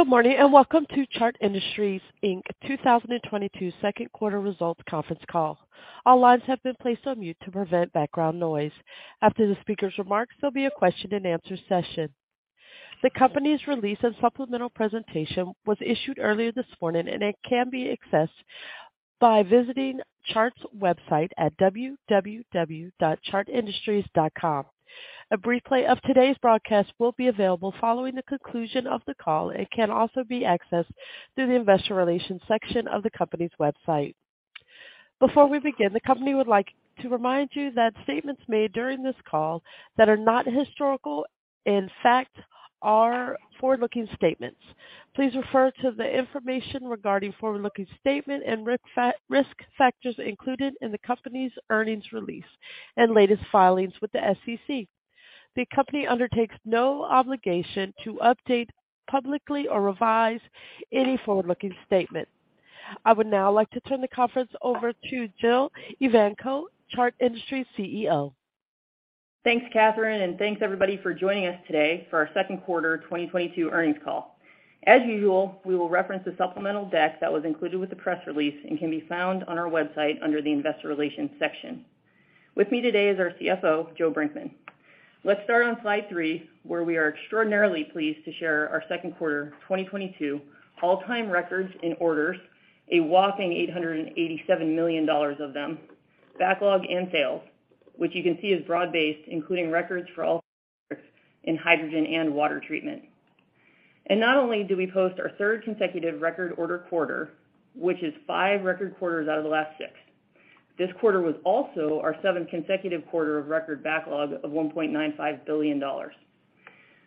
Good morning, and welcome to Chart Industries, Inc. 2022 second quarter results conference call. All lines have been placed on mute to prevent background noise. After the speaker's remarks, there'll be a question-and-answer session. The company's release and supplemental presentation was issued earlier this morning, and it can be accessed by visiting Chart's website at www.chartindustries.com. A replay of today's broadcast will be available following the conclusion of the call and can also be accessed through the investor relations section of the company's website. Before we begin, the company would like to remind you that statements made during this call that are not historical in fact are forward-looking statements. Please refer to the information regarding forward-looking statements and risk factors included in the company's earnings release and latest filings with the SEC. The company undertakes no obligation to update publicly or revise any forward-looking statement. I would now like to turn the conference over to Jill Evanko, Chart Industries CEO. Thanks, Catherine, and thanks everybody for joining us today for our second quarter 2022 earnings call. As usual, we will reference the supplemental deck that was included with the press release and can be found on our website under the Investor Relations section. With me today is our CFO, Joe Brinkman. Let's start on slide three, where we are extraordinarily pleased to share our second quarter 2022 all-time records in orders, a whopping $887 million of them, backlog and sales, which you can see is broad-based, including records for all in hydrogen and water treatment. Not only do we post our third consecutive record order quarter, which is five record quarters out of the last six. This quarter was also our seventh consecutive quarter of record backlog of $1.95 billion.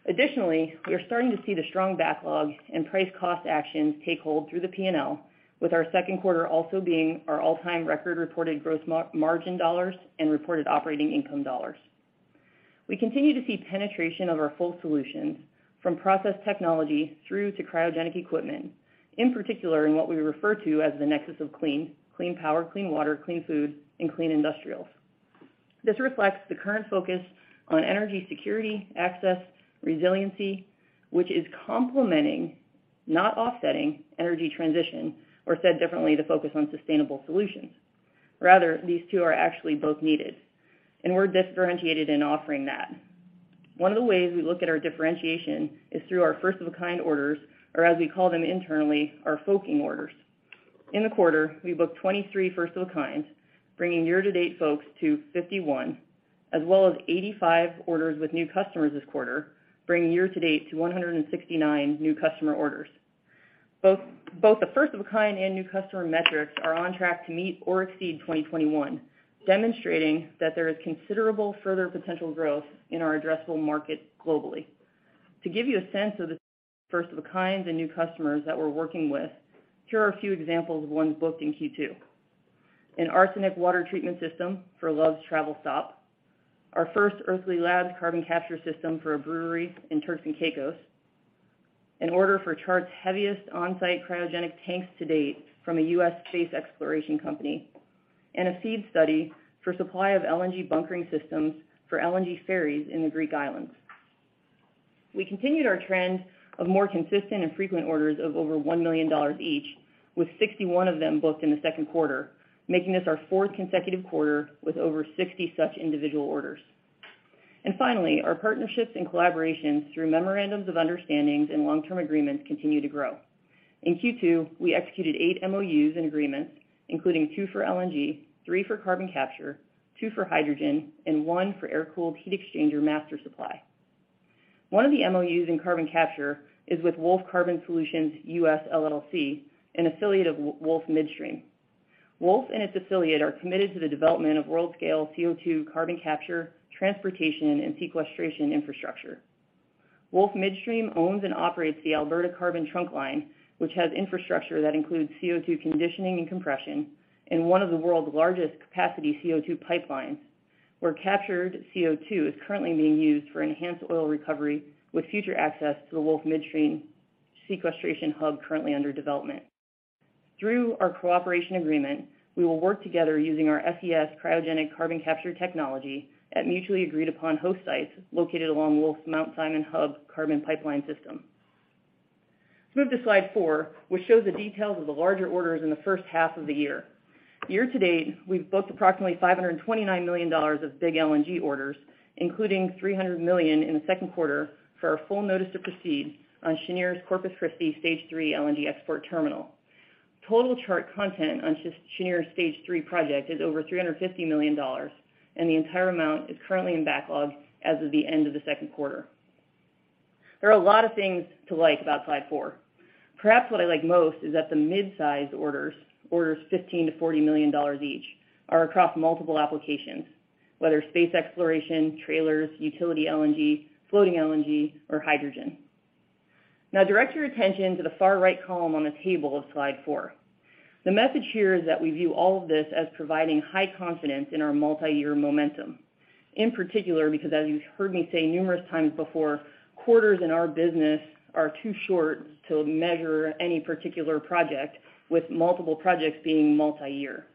Additionally, we are starting to see the strong backlog and price-cost actions take hold through the P&L, with our second quarter also being our all-time record reported gross margin dollars and reported operating income dollars. We continue to see penetration of our full solutions from process technology through to cryogenic equipment, in particular in what we refer to as the Nexus of Clean, clean power, clean water, clean food, and clean industrials. This reflects the current focus on energy security, access, resiliency, which is complementing, not offsetting, energy transition, or said differently, the focus on sustainable solutions. Rather, these two are actually both needed, and we're differentiated in offering that. One of the ways we look at our differentiation is through our first-of-a-kind orders, or as we call them internally, our FOKing orders. In the quarter, we booked 23 first-of-a-kinds, bringing year-to-date FOKs to 51, as well as 85 orders with new customers this quarter, bringing year-to-date to 169 new customer orders. Both the first-of-a-kind and new customer metrics are on track to meet or exceed 2021, demonstrating that there is considerable further potential growth in our addressable market globally. To give you a sense of the first of a kind and new customers that we're working with, here are a few examples of ones booked in Q2. An arsenic water treatment system for Love's Travel Stops. Our first Earthly Labs carbon capture system for a brewery in Turks and Caicos. An order for Chart's heaviest on-site cryogenic tanks to date from a U.S. space exploration company. A seed study for supply of LNG bunkering systems for LNG ferries in the Greek islands. We continued our trend of more consistent and frequent orders of over $1 million each, with 61 of them booked in the second quarter, making this our fourth consecutive quarter with over 60 such individual orders. Finally, our partnerships and collaborations through memorandums of understanding and long-term agreements continue to grow. In Q2, we executed eight MOUs and agreements, including two for LNG, three for carbon capture, two for hydrogen, and one for air-cooled heat exchanger master supply. One of the MOUs in carbon capture is with Wolf Carbon Solutions U.S. LLC, an affiliate of Wolf Midstream. Wolf and its affiliate are committed to the development of world-scale CO2 carbon capture, transportation, and sequestration infrastructure. Wolf Midstream owns and operates the Alberta Carbon Trunk Line, which has infrastructure that includes CO2 conditioning and compression in one of the world's largest capacity CO2 pipelines, where captured CO2 is currently being used for enhanced oil recovery with future access to the Wolf Midstream sequestration hub currently under development. Through our cooperation agreement, we will work together using our SES cryogenic carbon capture technology at mutually agreed upon host sites located along Wolf's Mount Simon Hub carbon pipeline system. Let's move to slide four, which shows the details of the larger orders in the first half of the year. Year to date, we've booked approximately $529 million of big LNG orders, including $300 million in the second quarter for our full notice to proceed on Cheniere's Corpus Christi Stage 3 LNG export terminal. Total Chart content on Cheniere's Stage three project is over $350 million, and the entire amount is currently in backlog as of the end of the second quarter. There are a lot of things to like about slide four. Perhaps what I like most is that the mid-size orders $15 million-$40 million each, are across multiple applications, whether space exploration, trailers, utility LNG, floating LNG, or hydrogen. Now, direct your attention to the far right column on the table of slide four. The message here is that we view all of this as providing high confidence in our multi-year momentum. In particular, because as you've heard me say numerous times before, quarters in our business are too short to measure any particular project, with multiple projects being multi-year.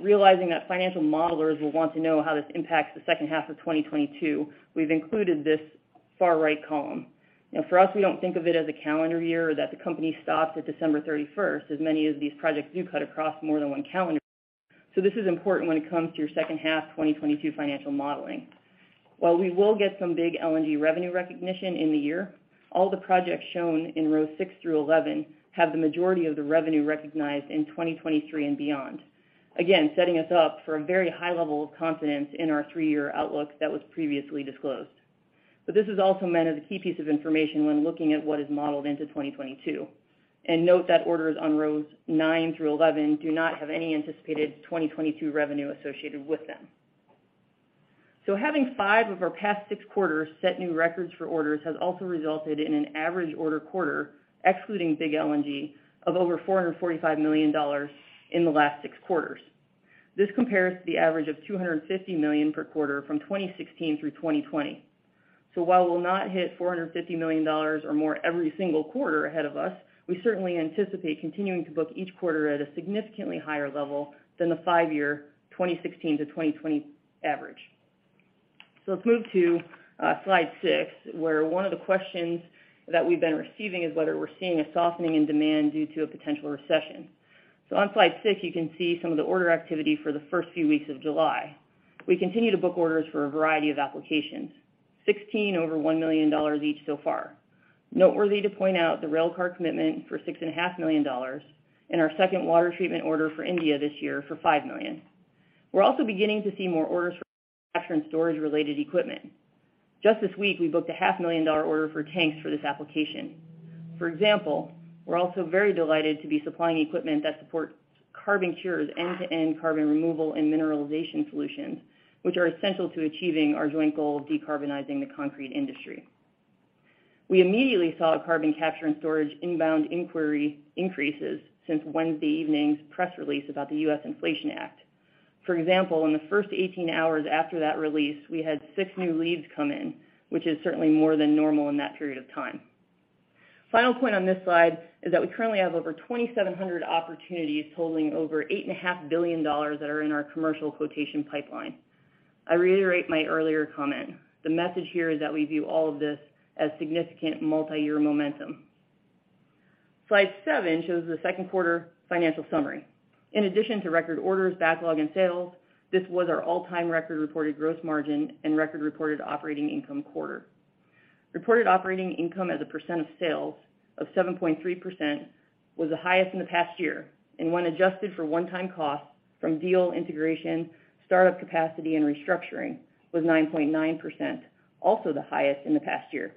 Realizing that financial modelers will want to know how this impacts the second half of 2022, we've included this far right column. Now for us, we don't think of it as a calendar year or that the company stops at December 31st, as many of these projects do cut across more than one calendar. This is important when it comes to your second half 2022 financial modeling. While we will get some big LNG revenue recognition in the year, all the projects shown in row six through 11 have the majority of the revenue recognized in 2023 and beyond. Again, setting us up for a very high level of confidence in our three-year outlook that was previously disclosed. This is also meant as a key piece of information when looking at what is modeled into 2022. Note that orders on rows nine through 11 do not have any anticipated 2022 revenue associated with them. Having five of our past six quarters set new records for orders has also resulted in an average order quarter, excluding big LNG, of over $445 million in the last six quarters. This compares to the average of $250 million per quarter from 2016 through 2020. While we'll not hit $450 million or more every single quarter ahead of us, we certainly anticipate continuing to book each quarter at a significantly higher level than the five-year 2016-2020 average. Let's move to slide six, where one of the questions that we've been receiving is whether we're seeing a softening in demand due to a potential recession. On slide six, you can see some of the order activity for the first few weeks of July. We continue to book orders for a variety of applications, 16 over $1 million each so far. Noteworthy to point out the rail car commitment for $6.5 million, and our second water treatment order for India this year for $5 million. We're also beginning to see more orders for capture and storage-related equipment. Just this week, we booked a $500,000 order for tanks for this application. For example, we're also very delighted to be supplying equipment that supports CarbonCure's end-to-end carbon removal and mineralization solutions, which are essential to achieving our joint goal of decarbonizing the concrete industry. We immediately saw carbon capture and storage inbound inquiry increases since Wednesday evening's press release about the Inflation Reduction Act. For example, in the first 18 hours after that release, we had six new leads come in, which is certainly more than normal in that period of time. Final point on this slide is that we currently have over 2,700 opportunities totaling over $8.5 billion that are in our commercial quotation pipeline. I reiterate my earlier comment. The message here is that we view all of this as significant multiyear momentum. Slide seven shows the second quarter financial summary. In addition to record orders, backlog, and sales, this was our all-time record reported gross margin and record reported operating income quarter. Reported operating income as a percent of sales of 7.3% was the highest in the past year, and when adjusted for one-time costs from deal integration, startup capacity, and restructuring, was 9.9%, also the highest in the past year.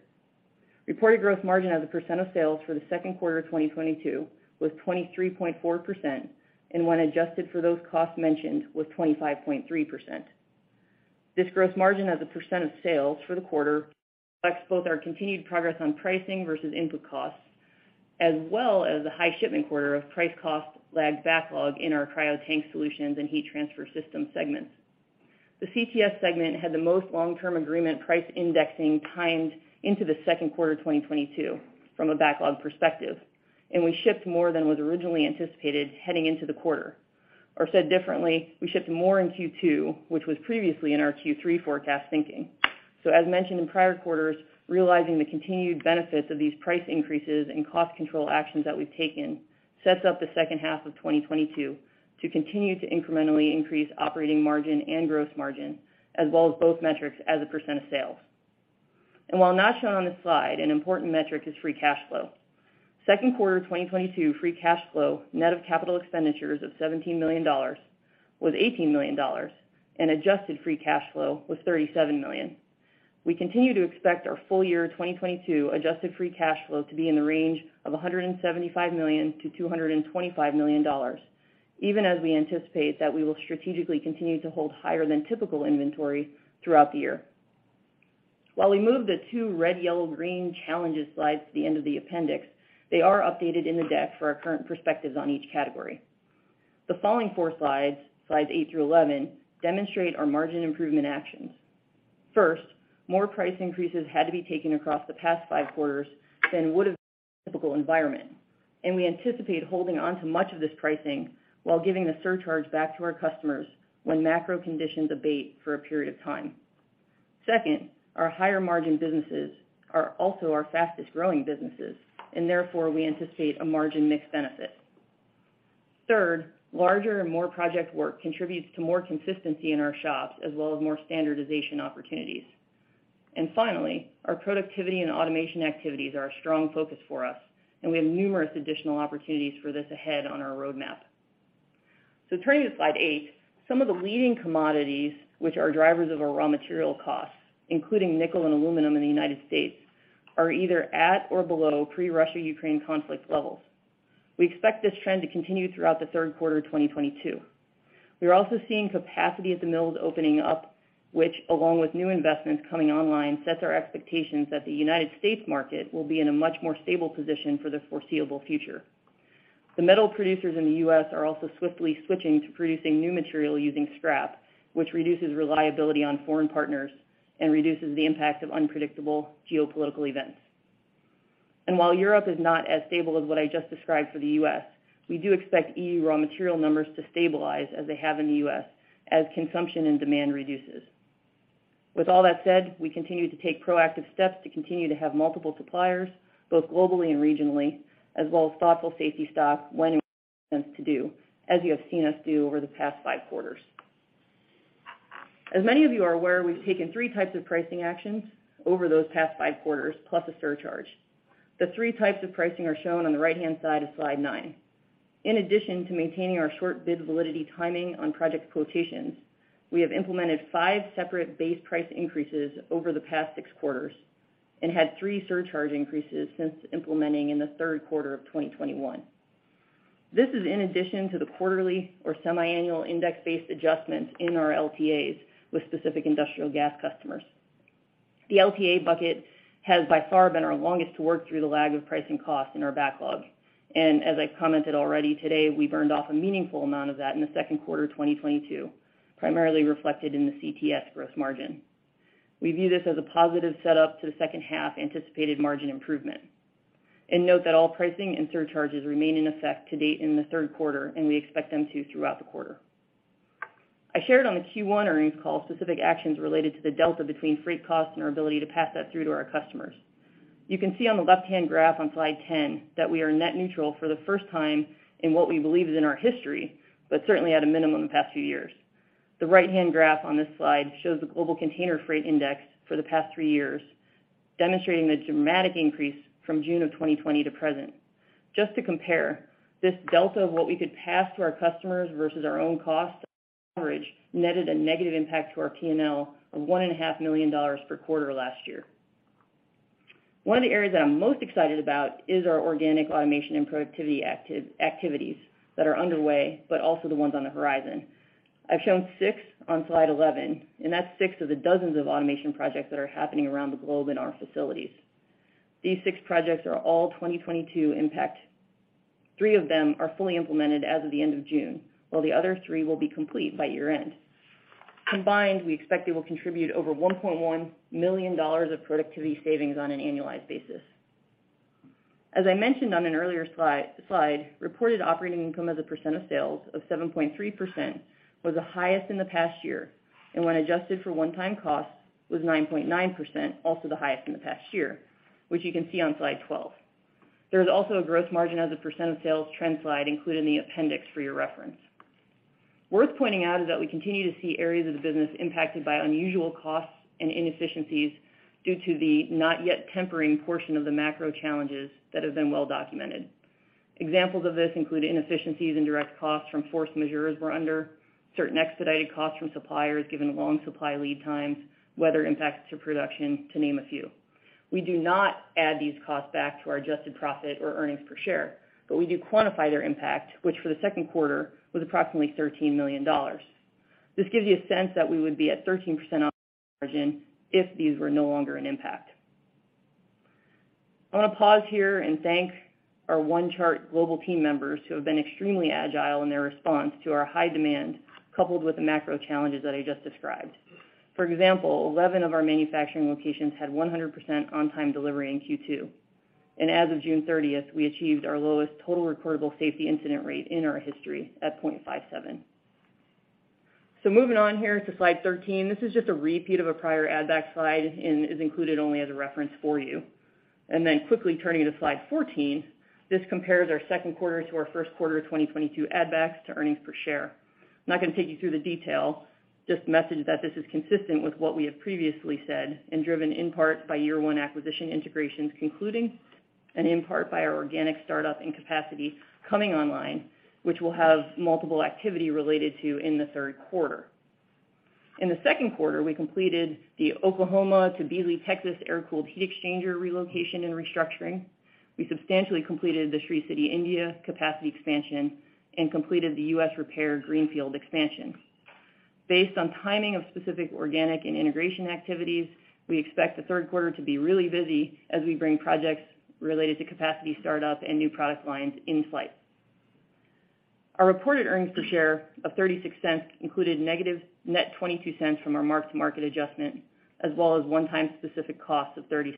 Reported gross margin as a percent of sales for the second quarter of 2022 was 23.4%, and when adjusted for those costs mentioned, was 25.3%. This gross margin as a percent of sales for the quarter reflects both our continued progress on pricing versus input costs, as well as the high shipment quarter of price-cost-lagged backlog in our Cryo Tank Solutions and Heat Transfer Systems segments. The CTS segment had the most long-term agreement price indexing timed into the second quarter of 2022 from a backlog perspective, and we shipped more than was originally anticipated heading into the quarter. Said differently, we shipped more in Q2, which was previously in our Q3 forecast thinking. As mentioned in prior quarters, realizing the continued benefits of these price increases and cost control actions that we've taken sets up the second half of 2022 to continue to incrementally increase operating margin and gross margin, as well as both metrics as a percent of sales. While not shown on this slide, an important metric is free cash flow. Second quarter 2022 free cash flow, net of capital expenditures of $17 million, was $18 million, and adjusted free cash flow was $37 million. We continue to expect our full-year 2022 adjusted free cash flow to be in the range of $175 million-$225 million, even as we anticipate that we will strategically continue to hold higher than typical inventory throughout the year. While we move the two red, yellow, green challenges slides to the end of the appendix, they are updated in the deck for our current perspectives on each category. The following four slides eight through 11, demonstrate our margin improvement actions. First, more price increases had to be taken across the past five quarters than would have been typical environment, and we anticipate holding on to much of this pricing while giving the surcharge back to our customers when macro conditions abate for a period of time. Second, our higher margin businesses are also our fastest-growing businesses, and therefore, we anticipate a margin mix benefit. Third, larger and more project work contributes to more consistency in our shops as well as more standardization opportunities. Finally, our productivity and automation activities are a strong focus for us, and we have numerous additional opportunities for this ahead on our roadmap. Turning to slide eight, some of the leading commodities, which are drivers of our raw material costs, including nickel and aluminum in the United States, are either at or below pre-Russia/Ukraine conflict levels. We expect this trend to continue throughout the third quarter of 2022. We are also seeing capacity at the mills opening up, which, along with new investments coming online, sets our expectations that the United States market will be in a much more stable position for the foreseeable future. The metal producers in the U.S. are also swiftly switching to producing new material using scrap, which reduces reliability on foreign partners and reduces the impact of unpredictable geopolitical events. While Europe is not as stable as what I just described for the U.S., we do expect E.U. raw material numbers to stabilize as they have in the U.S., as consumption and demand reduces. With all that said, we continue to take proactive steps to continue to have multiple suppliers, both globally and regionally, as well as thoughtful safety stock when it makes sense to do, as you have seen us do over the past five quarters. As many of you are aware, we've taken three types of pricing actions over those past five quarters, plus a surcharge. The three types of pricing are shown on the right-hand side of slide nine. In addition to maintaining our short bid validity timing on project quotations, we have implemented five separate base price increases over the past six quarters and had three surcharge increases since implementing in the third quarter of 2021. This is in addition to the quarterly or semiannual index-based adjustments in our LTAs with specific industrial gas customers. The LTA bucket has by far been our longest to work through the price-cost lag in our backlog, and as I commented already today, we burned off a meaningful amount of that in the second quarter of 2022, primarily reflected in the CTS gross margin. We view this as a positive setup to the second half anticipated margin improvement. Note that all pricing and surcharges remain in effect to date in the third quarter, and we expect them to throughout the quarter. I shared on the Q1 earnings call specific actions related to the delta between freight costs and our ability to pass that through to our customers. You can see on the left-hand graph on slide 10 that we are net neutral for the first time in what we believe is in our history, but certainly at a minimum the past few years. The right-hand graph on this slide shows the Global Container Freight Index for the past three years, demonstrating the dramatic increase from June of 2020 to present. Just to compare, this delta of what we could pass to our customers versus our own cost on average netted a negative impact to our P&L of $1.5 million per quarter last year. One of the areas that I'm most excited about is our organic automation and productivity activities that are underway, but also the ones on the horizon. I've shown six on slide 11, and that's six of the dozens of automation projects that are happening around the globe in our facilities. These six projects are all 2022 impact. Three of them are fully implemented as of the end of June, while the other three will be complete by year-end. Combined, we expect they will contribute over $1.1 million of productivity savings on an annualized basis. As I mentioned on an earlier slide, reported operating income as a percent of sales of 7.3% was the highest in the past year, and when adjusted for one-time costs, was 9.9%, also the highest in the past year, which you can see on slide 12. There is also a gross margin as a percent of sales trend slide included in the appendix for your reference. Worth pointing out is that we continue to see areas of the business impacted by unusual costs and inefficiencies due to the not yet tempering portion of the macro challenges that have been well documented. Examples of this include inefficiencies in direct costs from force majeure we're under, certain expedited costs from suppliers given long supply lead times, weather impacts to production, to name a few. We do not add these costs back to our adjusted profit or earnings per share, but we do quantify their impact, which for the second quarter was approximately $13 million. This gives you a sense that we would be at 13% operating margin if these were no longer an impact. I wanna pause here and thank our OneChart global team members who have been extremely agile in their response to our high demand, coupled with the macro challenges that I just described. For example, 11 of our manufacturing locations had 100% on-time delivery in Q2, and as of June 30th, we achieved our lowest total recordable safety incident rate in our history at 0.57. Moving on here to slide 13. This is just a repeat of a prior add back slide and is included only as a reference for you. Quickly turning to slide 14, this compares our second quarter to our first quarter of 2022 add backs to earnings per share. I'm not gonna take you through the detail, just message that this is consistent with what we have previously said and driven in part by year one acquisition integrations concluding and in part by our organic startup and capacity coming online, which we'll have multiple activity related to in the third quarter. In the second quarter, we completed the Oklahoma to Beasley, Texas, Air-Cooled Heat Exchanger relocation and restructuring. We substantially completed the Sri City, India, capacity expansion and completed the U.S. repair greenfield expansion. Based on timing of specific organic and integration activities, we expect the third quarter to be really busy as we bring projects related to capacity startup and new product lines in flight. Our reported earnings per share of $0.36 included negative net $0.22 from our mark-to-market adjustment, as well as one-time specific cost of $0.30.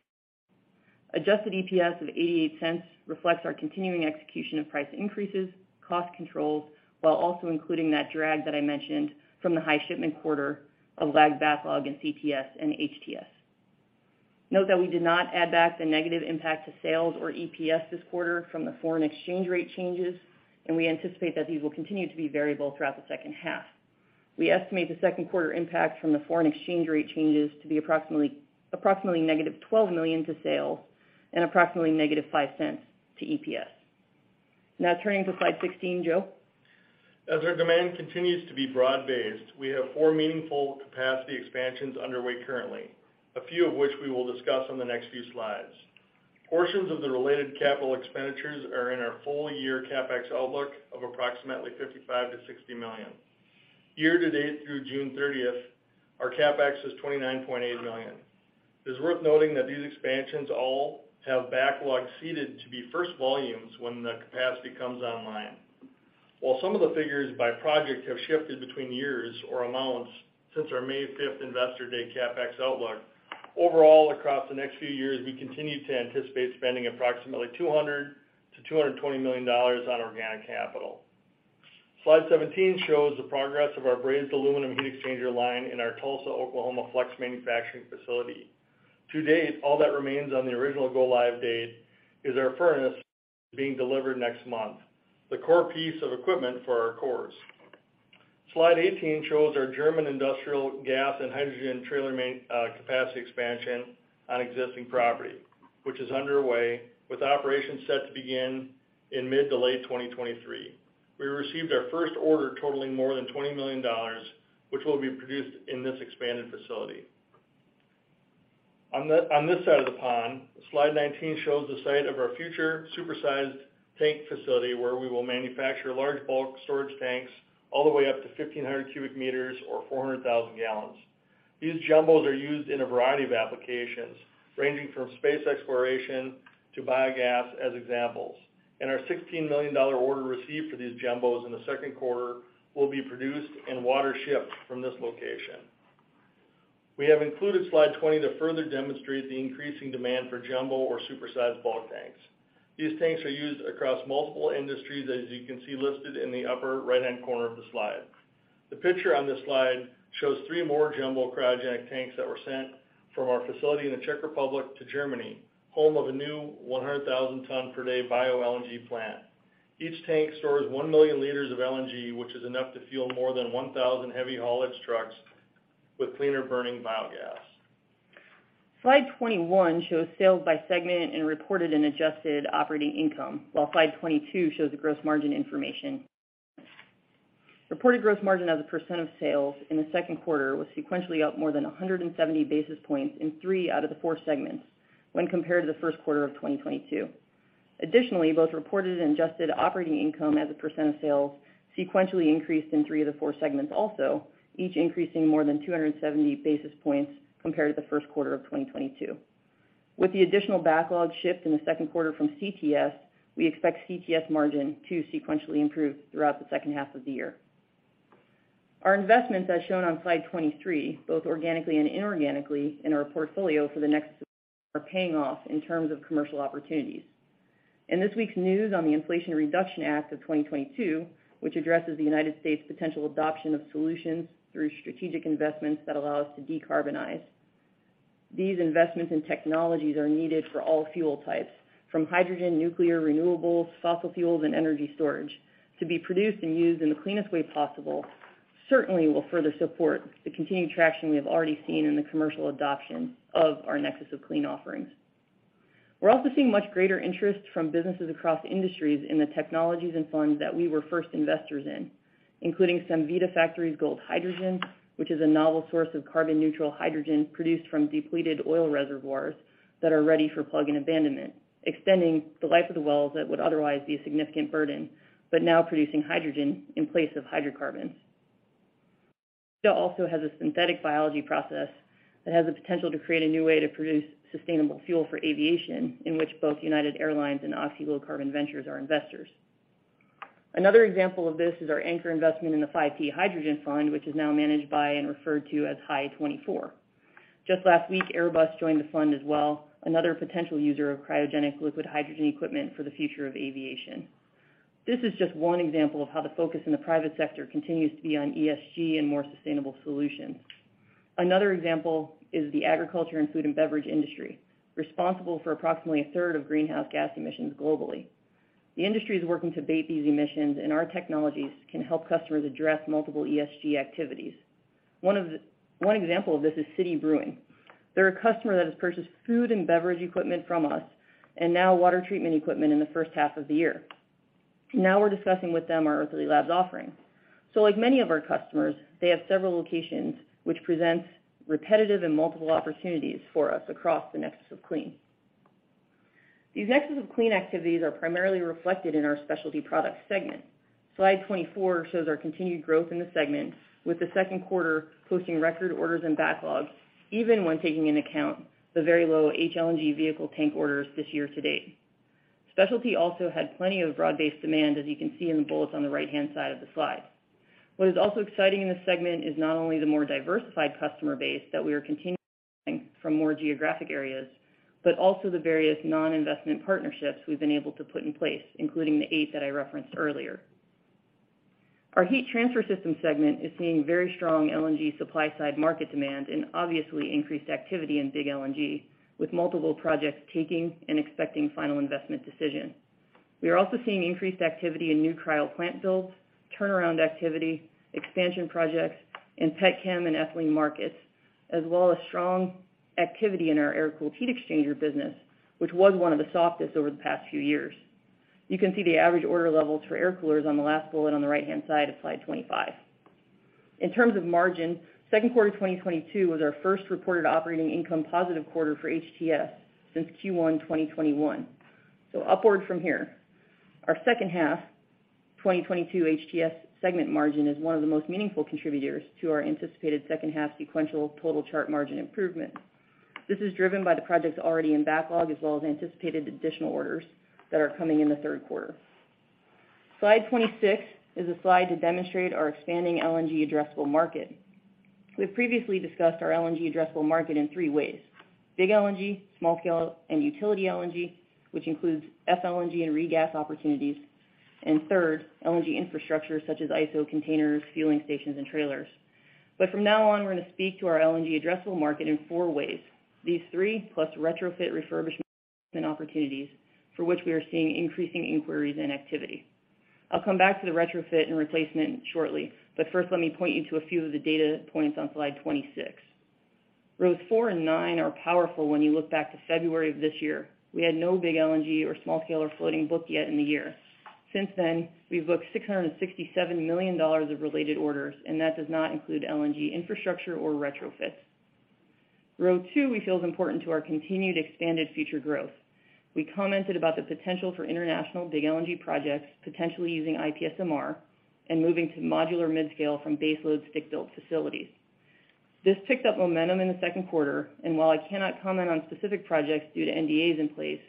Adjusted EPS of $0.88 reflects our continuing execution of price increases, cost controls, while also including that drag that I mentioned from the high shipment quarter of lagged backlog in CTS and HTS. Note that we did not add back the negative impact to sales or EPS this quarter from the foreign exchange rate changes, and we anticipate that these will continue to be variable throughout the second half. We estimate the second quarter impact from the foreign exchange rate changes to be approximately negative $12 million to sales and approximately negative $0.05 to EPS. Now turning to slide 16, Joe. As our demand continues to be broad-based, we have four meaningful capacity expansions underway currently, a few of which we will discuss on the next few slides. Portions of the related capital expenditures are in our full-year CapEx outlook of approximately $55 million-$60 million. Year to date through June 30th, our CapEx is $29.8 million. It's worth noting that these expansions all have backlog seeded to be first volumes when the capacity comes online. While some of the figures by project have shifted between years or amounts since our May 5th investor day CapEx outlook, overall, across the next few years, we continue to anticipate spending approximately $200 million-$220 million on organic capital. Slide 17 shows the progress of our brazed aluminum heat exchanger line in our Tulsa, Oklahoma flex manufacturing facility. To date, all that remains on the original go-live date is our furnace being delivered next month, the core piece of equipment for our cores. Slide 18 shows our German industrial gas and hydrogen trailer manufacturing capacity expansion on existing property, which is underway with operations set to begin in mid to late 2023. We received our first order totaling more than $20 million, which will be produced in this expanded facility. On this side of the pond, Slide 19 shows the site of our future super-sized tank facility where we will manufacture large bulk storage tanks all the way up to 1,500 cubic meters or 400,000 gallons. These jumbos are used in a variety of applications, ranging from space exploration to biogas as examples. Our $16 million order received for these jumbos in the second quarter will be produced and water shipped from this location. We have included slide 20 to further demonstrate the increasing demand for jumbo or super-sized bulk tanks. These tanks are used across multiple industries, as you can see listed in the upper right-hand corner of the slide. The picture on this slide shows three more jumbo cryogenic tanks that were sent from our facility in the Czech Republic to Germany, home of a new 100,000 ton per day bio-LNG plant. Each tank stores 1 million liters of LNG, which is enough to fuel more than 1,000 heavy haulage trucks with cleaner burning biogas. Slide 21 shows sales by segment and reported an adjusted operating income, while slide 22 shows the gross margin information. Reported gross margin as a percent of sales in the second quarter was sequentially up more than 170 basis points in three out of the four segments when compared to the first quarter of 2022. Additionally, both reported and adjusted operating income as a percent of sales sequentially increased in three of the four segments also, each increasing more than 270 basis points compared to the first quarter of 2022. With the additional backlog shift in the second quarter from CTS, we expect CTS margin to sequentially improve throughout the second half of the year. Our investments, as shown on slide 23, both organically and inorganically in our portfolio for the next are paying off in terms of commercial opportunities. In this week's news on the Inflation Reduction Act of 2022, which addresses the United States potential adoption of solutions through strategic investments that allow us to decarbonize. These investments in technologies are needed for all fuel types, from hydrogen, nuclear, renewables, fossil fuels, and energy storage to be produced and used in the cleanest way possible, certainly will further support the continued traction we have already seen in the commercial adoption of our Nexus of Clean offerings. We're also seeing much greater interest from businesses across industries in the technologies and funds that we were first investors in, including Cemvita Factory's Gold Hydrogen, which is a novel source of carbon neutral hydrogen produced from depleted oil reservoirs that are ready for plug and abandonment, extending the life of the wells that would otherwise be a significant burden, but now producing hydrogen in place of hydrocarbons. Cemvita also has a synthetic biology process that has the potential to create a new way to produce sustainable fuel for aviation, in which both United Airlines and Oxy Low Carbon Ventures are investors. Another example of this is our anchor investment in the FiveT Hydrogen Fund, which is now managed by and referred to as HY24. Just last week, Airbus joined the fund as well, another potential user of cryogenic liquid hydrogen equipment for the future of aviation. This is just one example of how the focus in the private sector continues to be on ESG and more sustainable solutions. Another example is the agriculture and food and beverage industry, responsible for approximately a third of greenhouse gas emissions globally. The industry is working to abate these emissions, and our technologies can help customers address multiple ESG activities. One example of this is City Brewing. They're a customer that has purchased food and beverage equipment from us and now water treatment equipment in the first half of the year. Now we're discussing with them our Earthly Labs offering. Like many of our customers, they have several locations which presents repetitive and multiple opportunities for us across the Nexus of Clean. These Nexus of Clean activities are primarily reflected in our Specialty Products segment. Slide 24 shows our continued growth in the segment, with the second quarter posting record orders and backlogs, even when taking into account the very low HLNG vehicle tank orders this year to date. Specialty also had plenty of broad-based demand, as you can see in the bullets on the right-hand side of the slide. What is also exciting in this segment is not only the more diversified customer base that we are continuing from more geographic areas, but also the various non-investment partnerships we've been able to put in place, including the eight that I referenced earlier. Our Heat Transfer Systems segment is seeing very strong LNG supply-side market demand and obviously increased activity in big LNG, with multiple projects taking and expecting final investment decision. We are also seeing increased activity in new cryo plant builds, turnaround activity, expansion projects in pet chem and ethylene markets, as well as strong activity in our air-cooled heat exchanger business, which was one of the softest over the past few years. You can see the average order levels for air coolers on the last bullet on the right-hand side of slide 25. In terms of margin, second quarter 2022 was our first reported operating income positive quarter for HTS since Q1 2021. Upward from here. Our second half 2022 HTS segment margin is one of the most meaningful contributors to our anticipated second half sequential total Chart margin improvement. This is driven by the projects already in backlog as well as anticipated additional orders that are coming in the third quarter. Slide 26 is a slide to demonstrate our expanding LNG addressable market. We've previously discussed our LNG addressable market in three ways: big LNG, small scale, and utility LNG, which includes FLNG and regas opportunities, and third, LNG infrastructure such as ISO containers, fueling stations and trailers. From now on, we're going to speak to our LNG addressable market in four ways. These three plus retrofit refurbishment opportunities for which we are seeing increasing inquiries and activity. I'll come back to the retrofit and replacement shortly, but first, let me point you to a few of the data points on slide 26. Rows four and nine are powerful when you look back to February of this year. We had no big LNG or small scale or floating booked yet in the year. Since then, we've booked $667 million of related orders, and that does not include LNG infrastructure or retrofits. Row two, we feel is important to our continued expanded future growth. We commented about the potential for international big LNG projects, potentially using IPSMR and moving to modular mid-scale from baseload stick-built facilities. This picked up momentum in the second quarter, and while I cannot comment on specific projects due to NDAs in place,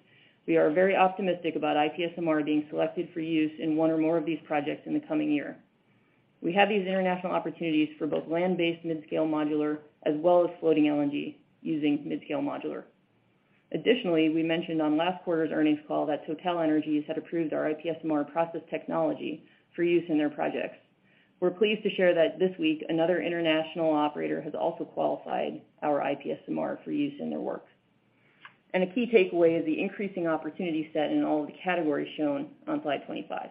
we are very optimistic about IPSMR being selected for use in one or more of these projects in the coming year. We have these international opportunities for both land-based mid-scale modular as well as floating LNG using mid-scale modular. Additionally, we mentioned on last quarter's earnings call that TotalEnergies had approved our IPSMR process technology for use in their projects. We're pleased to share that this week, another international operator has also qualified our IPSMR for use in their work. A key takeaway is the increasing opportunity set in all of the categories shown on slide 25.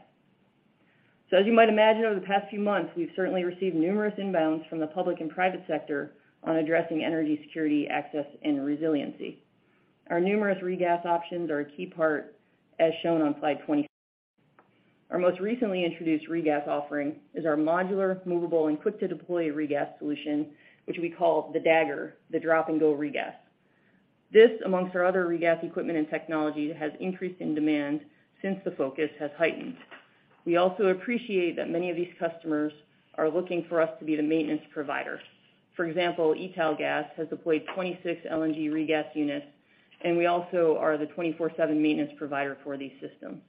As you might imagine, over the past few months, we've certainly received numerous inbounds from the public and private sector on addressing energy security, access, and resiliency. Our numerous regas options are a key part, as shown on slide 27. Our most recently introduced regas offering is our modular, movable, and quick-to-deploy regas solution, which we call the DAGR, the Drop-and-Go Regas. This, amongst our other regas equipment and technology, has increased in demand since the focus has heightened. We also appreciate that many of these customers are looking for us to be the maintenance provider. For example, Italgas has deployed 26 LNG regas units, and we also are the 24/7 maintenance provider for these systems.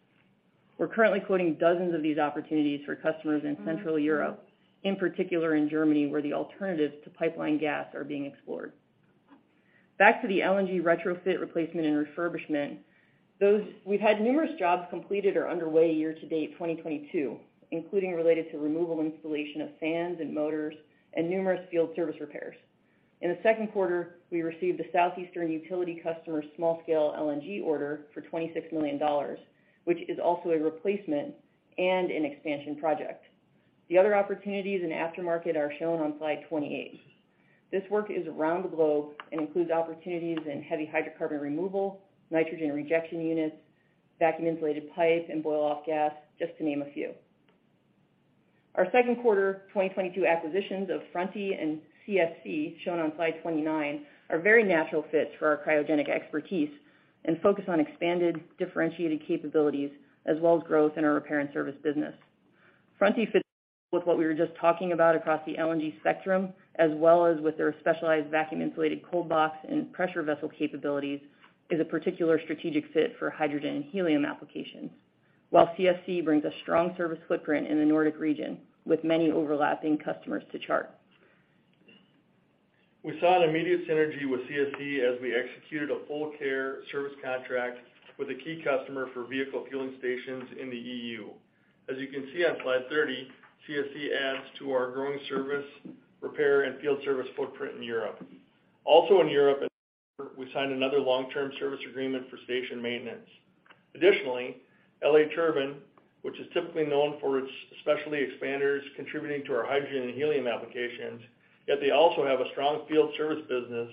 We're currently quoting dozens of these opportunities for customers in Central Europe, in particular in Germany, where the alternatives to pipeline gas are being explored. Back to the LNG retrofit, replacement and refurbishment. We've had numerous jobs completed or underway year-to-date 2022, including related to removal, installation of fans and motors, and numerous field service repairs. In the second quarter, we received a southeastern utility customer small-scale LNG order for $26 million, which is also a replacement and an expansion project. The other opportunities in aftermarket are shown on slide 28. This work is around the globe and includes opportunities in heavy hydrocarbon removal, nitrogen rejection units, vacuum-insulated pipe, and boil-off gas, just to name a few. Our second quarter 2022 acquisitions of Fronti and CSC, shown on slide 29, are very natural fits for our cryogenic expertise and focus on expanded, differentiated capabilities, as well as growth in our repair and service business. Fronti fits with what we were just talking about across the LNG spectrum, as well as with their specialized vacuum insulated cold box and pressure vessel capabilities, is a particular strategic fit for hydrogen and helium applications. While CSC brings a strong service footprint in the Nordic region with many overlapping customers to Chart. We saw an immediate synergy with CSC as we executed a full care service contract with a key customer for vehicle fueling stations in the E.U. As you can see on slide 30, CSC adds to our growing service, repair, and field service footprint in Europe. Also in Europe, we signed another long-term service agreement for station maintenance. Additionally, L.A. Turbine, which is typically known for its specialty expanders contributing to our hydrogen and helium applications, yet they also have a strong field service business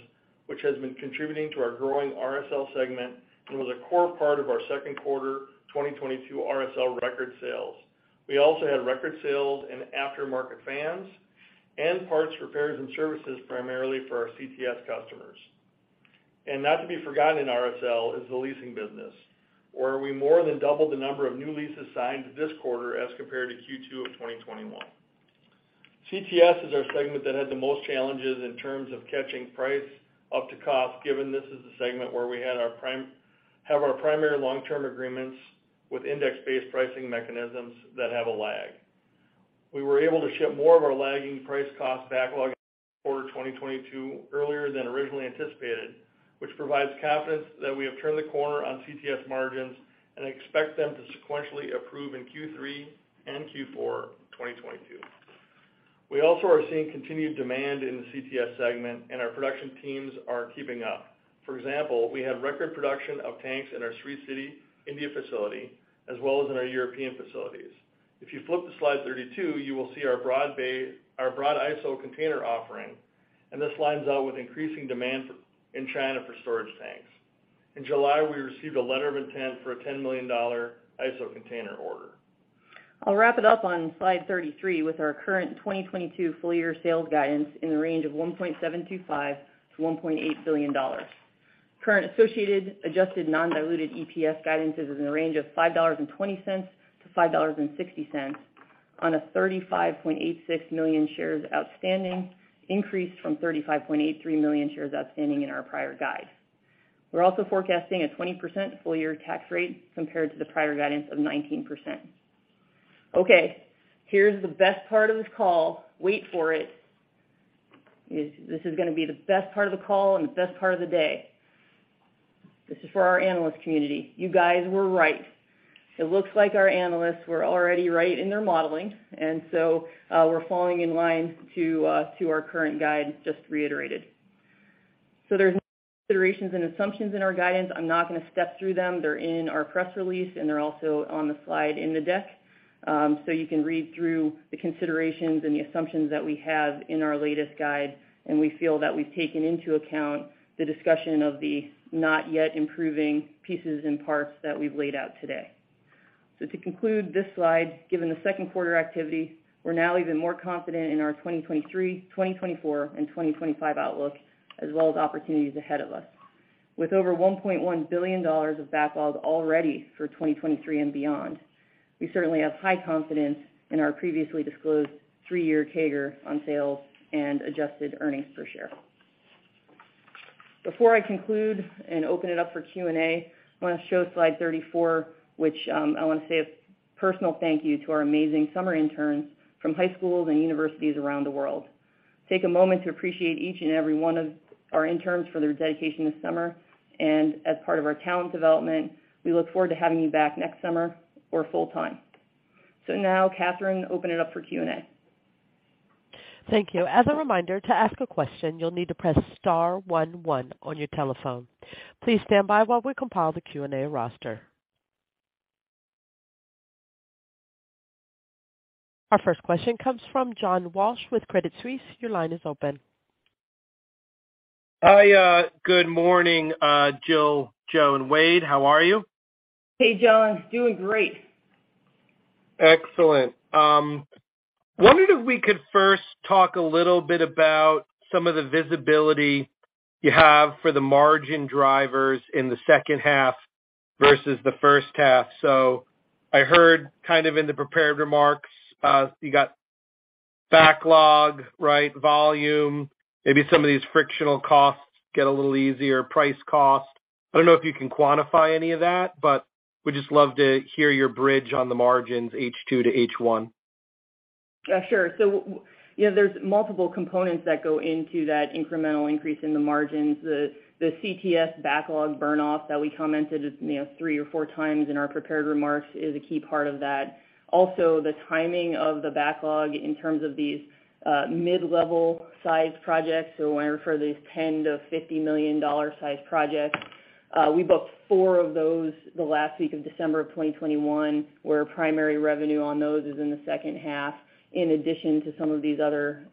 which has been contributing to our growing RSL segment and was a core part of our second quarter 2022 RSL record sales. We also had record sales in aftermarket fans and parts, repairs, and services, primarily for our CTS customers. Not to be forgotten in RSL is the leasing business, where we more than doubled the number of new leases signed this quarter as compared to Q2 of 2021. CTS is our segment that had the most challenges in terms of catching price up to cost, given this is the segment where we have our primary long-term agreements with index-based pricing mechanisms that have a lag. We were able to ship more of our lagging price-cost backlog for 2022 earlier than originally anticipated, which provides confidence that we have turned the corner on CTS margins and expect them to sequentially improve in Q3 and Q4 2022. We also are seeing continued demand in the CTS segment, and our production teams are keeping up. For example, we have record production of tanks in our Sri City, India facility as well as in our European facilities. If you flip to slide 32, you will see our broad ISO container offering, and this lines up with increasing demand in China for storage tanks. In July, we received a letter of intent for a $10 million ISO container order. I'll wrap it up on slide 33 with our current 2022 full year sales guidance in the range of $1.725 billion-$1.8 billion. Current associated adjusted non-diluted EPS guidance is in the range of $5.20-$5.60 on a 35.86 million shares outstanding, increase from 35.83 million shares outstanding in our prior guide. We're also forecasting a 20% full year tax rate compared to the prior guidance of 19%. Okay, here's the best part of this call. Wait for it. This is gonna be the best part of the call and the best part of the day. This is for our analyst community. You guys were right. It looks like our analysts were already right in their modeling, and so we're falling in line to our current guide, just reiterated. There's considerations and assumptions in our guidance. I'm not gonna step through them. They're in our press release, and they're also on the slide in the deck. You can read through the considerations and the assumptions that we have in our latest guide, and we feel that we've taken into account the discussion of the not yet improving pieces and parts that we've laid out today. To conclude this slide, given the second quarter activity, we're now even more confident in our 2023, 2024, and 2025 outlook, as well as opportunities ahead of us. With over $1.1 billion of backlog already for 2023 and beyond, we certainly have high confidence in our previously disclosed three-year CAGR on sales and adjusted earnings per share. Before I conclude and open it up for Q&A, I want to show slide 34, which I want to say a personal thank you to our amazing summer interns from high schools and universities around the world. Take a moment to appreciate each and every one of our interns for their dedication this summer. As part of our talent development, we look forward to having you back next summer or full time. Now, Catherine, open it up for Q&A. Thank you. As a reminder, to ask a question, you'll need to press star one one on your telephone. Please stand by while we compile the Q&A roster. Our first question comes from John Walsh with Credit Suisse. Your line is open. Hi. Good morning, Jill, Joe, and Wade. How are you? Hey, John. Doing great. Excellent. I wondered if we could first talk a little bit about some of the visibility you have for the margin drivers in the second half versus the first half. I heard kind of in the prepared remarks, you got backlog, right, volume, maybe some of these frictional costs get a little easier, price-cost. I don't know if you can quantify any of that, but we just love to hear your bridge on the margins H2 to H1. Yeah, sure. You know, there's multiple components that go into that incremental increase in the margins. The CTS backlog burn-off that we commented, you know, three or 4x in our prepared remarks is a key part of that. Also, the timing of the backlog in terms of these mid-level size projects. When I refer these $10 million-$50 million size projects, we booked four of those the last week of December of 2021, where primary revenue on those is in the second half, in addition to some of these other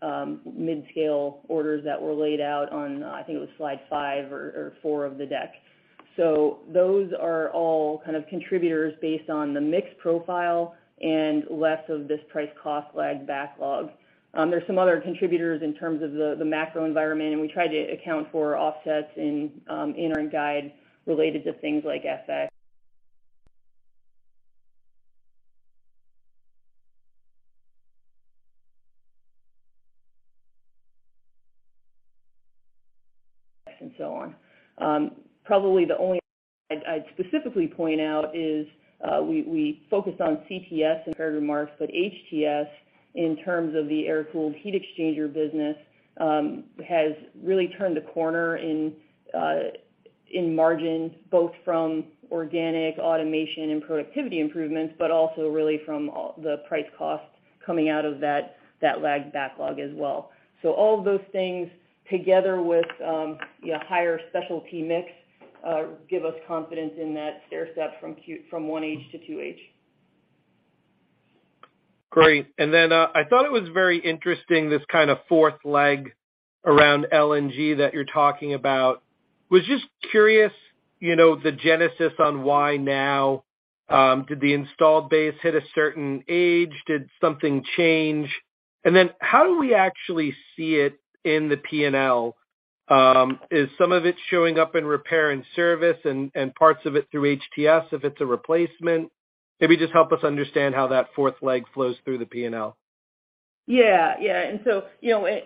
mid-scale orders that were laid out on, I think it was slide five or four of the deck. Those are all kind of contributors based on the mix profile and less of this price-cost lag backlog. There's some other contributors in terms of the macro environment, and we try to account for offsets in our guide related to things like FX and so on. Probably the only I'd specifically point out is we focused on CTS in prepared remarks, but HTS, in terms of the air-cooled heat exchanger business, has really turned a corner in margins, both from organic automation and productivity improvements, but also really from the price-cost lag coming out of that lagged backlog as well. All of those things together with, you know, higher specialty mix give us confidence in that stair-step from 1H-2H. Great. I thought it was very interesting, this kind of fourth leg around LNG that you're talking about. Was just curious, you know, the genesis on why now. Did the installed base hit a certain age? Did something change? How do we actually see it in the P&L? Is some of it showing up in repair and service and parts of it through HTS if it's a replacement? Maybe just help us understand how that fourth leg flows through the P&L. Yeah. Yeah. You know,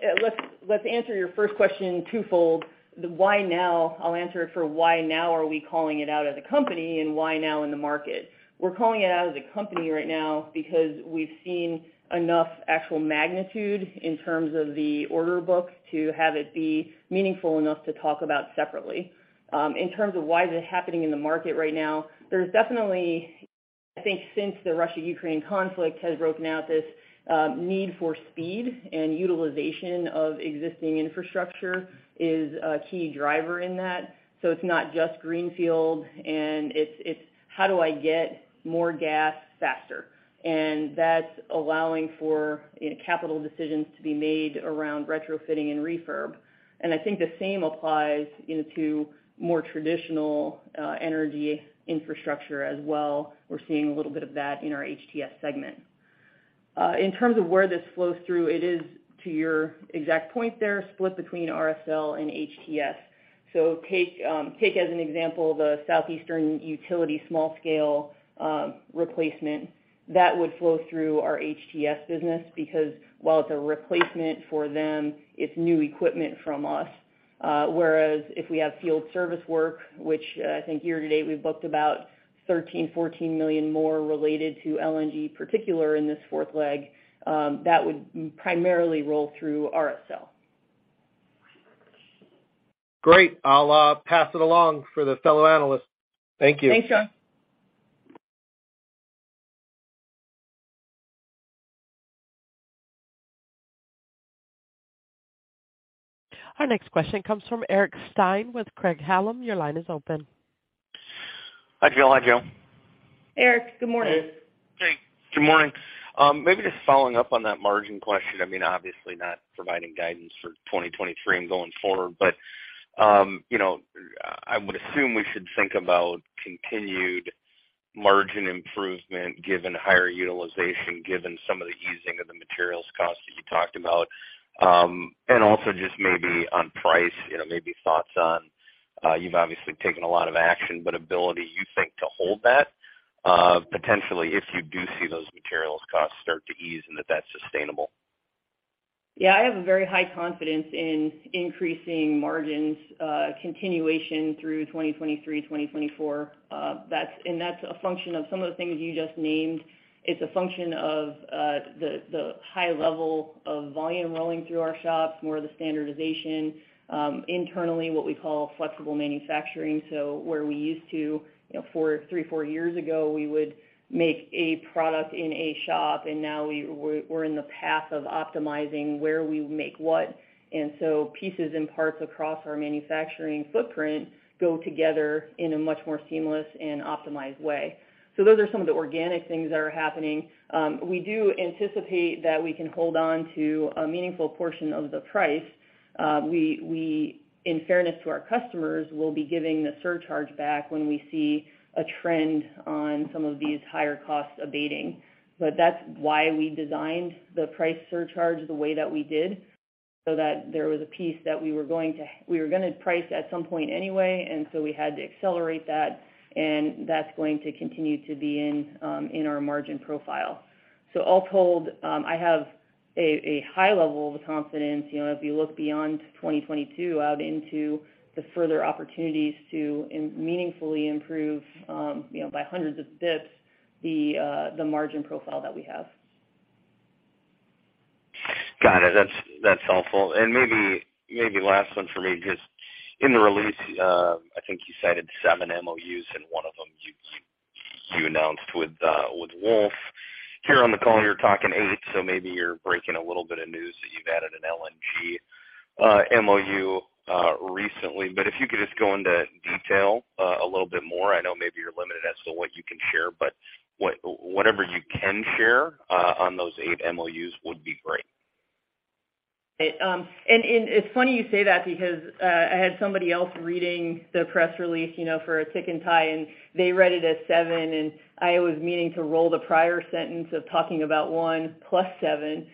let's answer your first question twofold. The why now, I'll answer it for why now are we calling it out as a company and why now in the market. We're calling it out as a company right now because we've seen enough actual magnitude in terms of the order book to have it be meaningful enough to talk about separately. In terms of why is it happening in the market right now, there's definitely, I think since the Russia-Ukraine conflict has broken out, this need for speed and utilization of existing infrastructure is a key driver in that. It's not just greenfield, and it's how do I get more gas faster? That's allowing for capital decisions to be made around retrofitting and refurb. I think the same applies into more traditional energy infrastructure as well. We're seeing a little bit of that in our HTS segment. In terms of where this flows through, it is to your exact point there, split between RSL and HTS. Take as an example, the Southeastern Utility small scale replacement. That would flow through our HTS business because while it's a replacement for them, it's new equipment from us. Whereas if we have field service work, which I think year-to-date, we've booked about $13 million-$14 million more related to LNG particular in this fourth leg, that would primarily roll through RSL. Great. I'll pass it along for the fellow analysts. Thank you. Thanks, John. Our next question comes from Eric Stine with Craig-Hallum. Your line is open. Hi, John. Hi, Jill. Eric, good morning. Hey, good morning. Maybe just following up on that margin question. I mean, obviously not providing guidance for 2023 and going forward, but you know, I would assume we should think about continued margin improvement given higher utilization, given some of the easing of the materials costs that you talked about. Also just maybe on price, you know, maybe thoughts on, you've obviously taken a lot of action, but ability you think to hold that, potentially if you do see those materials costs start to ease and that that's sustainable. Yeah, I have a very high confidence in increasing margins, continuation through 2023, 2024. That's a function of some of the things you just named. It's a function of the high level of volume rolling through our shops, more of the standardization, internally, what we call flexible manufacturing. Where we used to, you know, three four years ago, we would make a product in a shop, and now we're in the path of optimizing where we make what. Pieces and parts across our manufacturing footprint go together in a much more seamless and optimized way. Those are some of the organic things that are happening. We do anticipate that we can hold on to a meaningful portion of the price. We, in fairness to our customers, will be giving the surcharge back when we see a trend on some of these higher costs abating. That's why we designed the price surcharge the way that we did, so that there was a piece that we were gonna price at some point anyway, and that's going to continue to be in our margin profile. All told, I have a high level of confidence, you know, if you look beyond 2022 out into the further opportunities to meaningfully improve, you know, by hundreds of basis points, the margin profile that we have. Got it. That's helpful. Maybe last one for me, just in the release, I think you cited seven MOUs, and one of them you announced with Wolf. Here on the call, you're talking eight, so maybe you're breaking a little bit of news that you've added an LNG MOU recently. But if you could just go into detail a little bit more. I know maybe you're limited as to what you can share, but whatever you can share on those eight MOUs would be great. It's funny you say that because I had somebody else reading the press release, you know, for a tick and tie, and they read it as seven, and I was meaning to roll the prior sentence of talking about 1 + 7.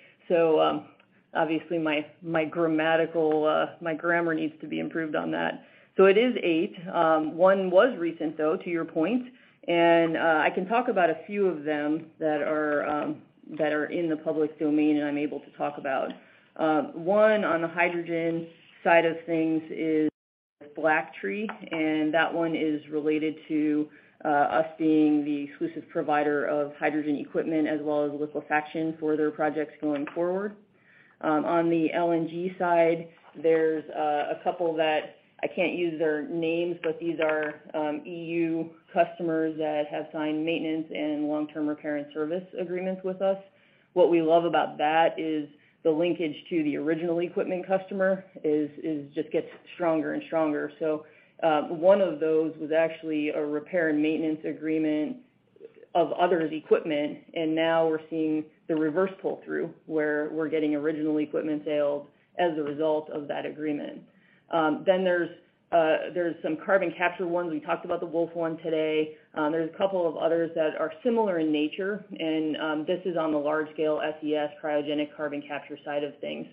Obviously my grammar needs to be improved on that. It is eight. One was recent, though, to your point. I can talk about a few of them that are in the public domain, and I'm able to talk about. One on the hydrogen side of things is Blacktree, and that one is related to us being the exclusive provider of hydrogen equipment as well as liquefaction for their projects going forward. On the LNG side, there's a couple that I can't use their names, but these are E.U. customers that have signed maintenance and long-term repair and service agreements with us. What we love about that is the linkage to the original equipment customer is just gets stronger and stronger. One of those was actually a repair and maintenance agreement of others' equipment, and now we're seeing the reverse pull-through, where we're getting original equipment sales as a result of that agreement. Then there's some carbon capture ones. We talked about the Wolf one today. There's a couple of others that are similar in nature, and this is on the large-scale SES Cryogenic Carbon Capture side of things.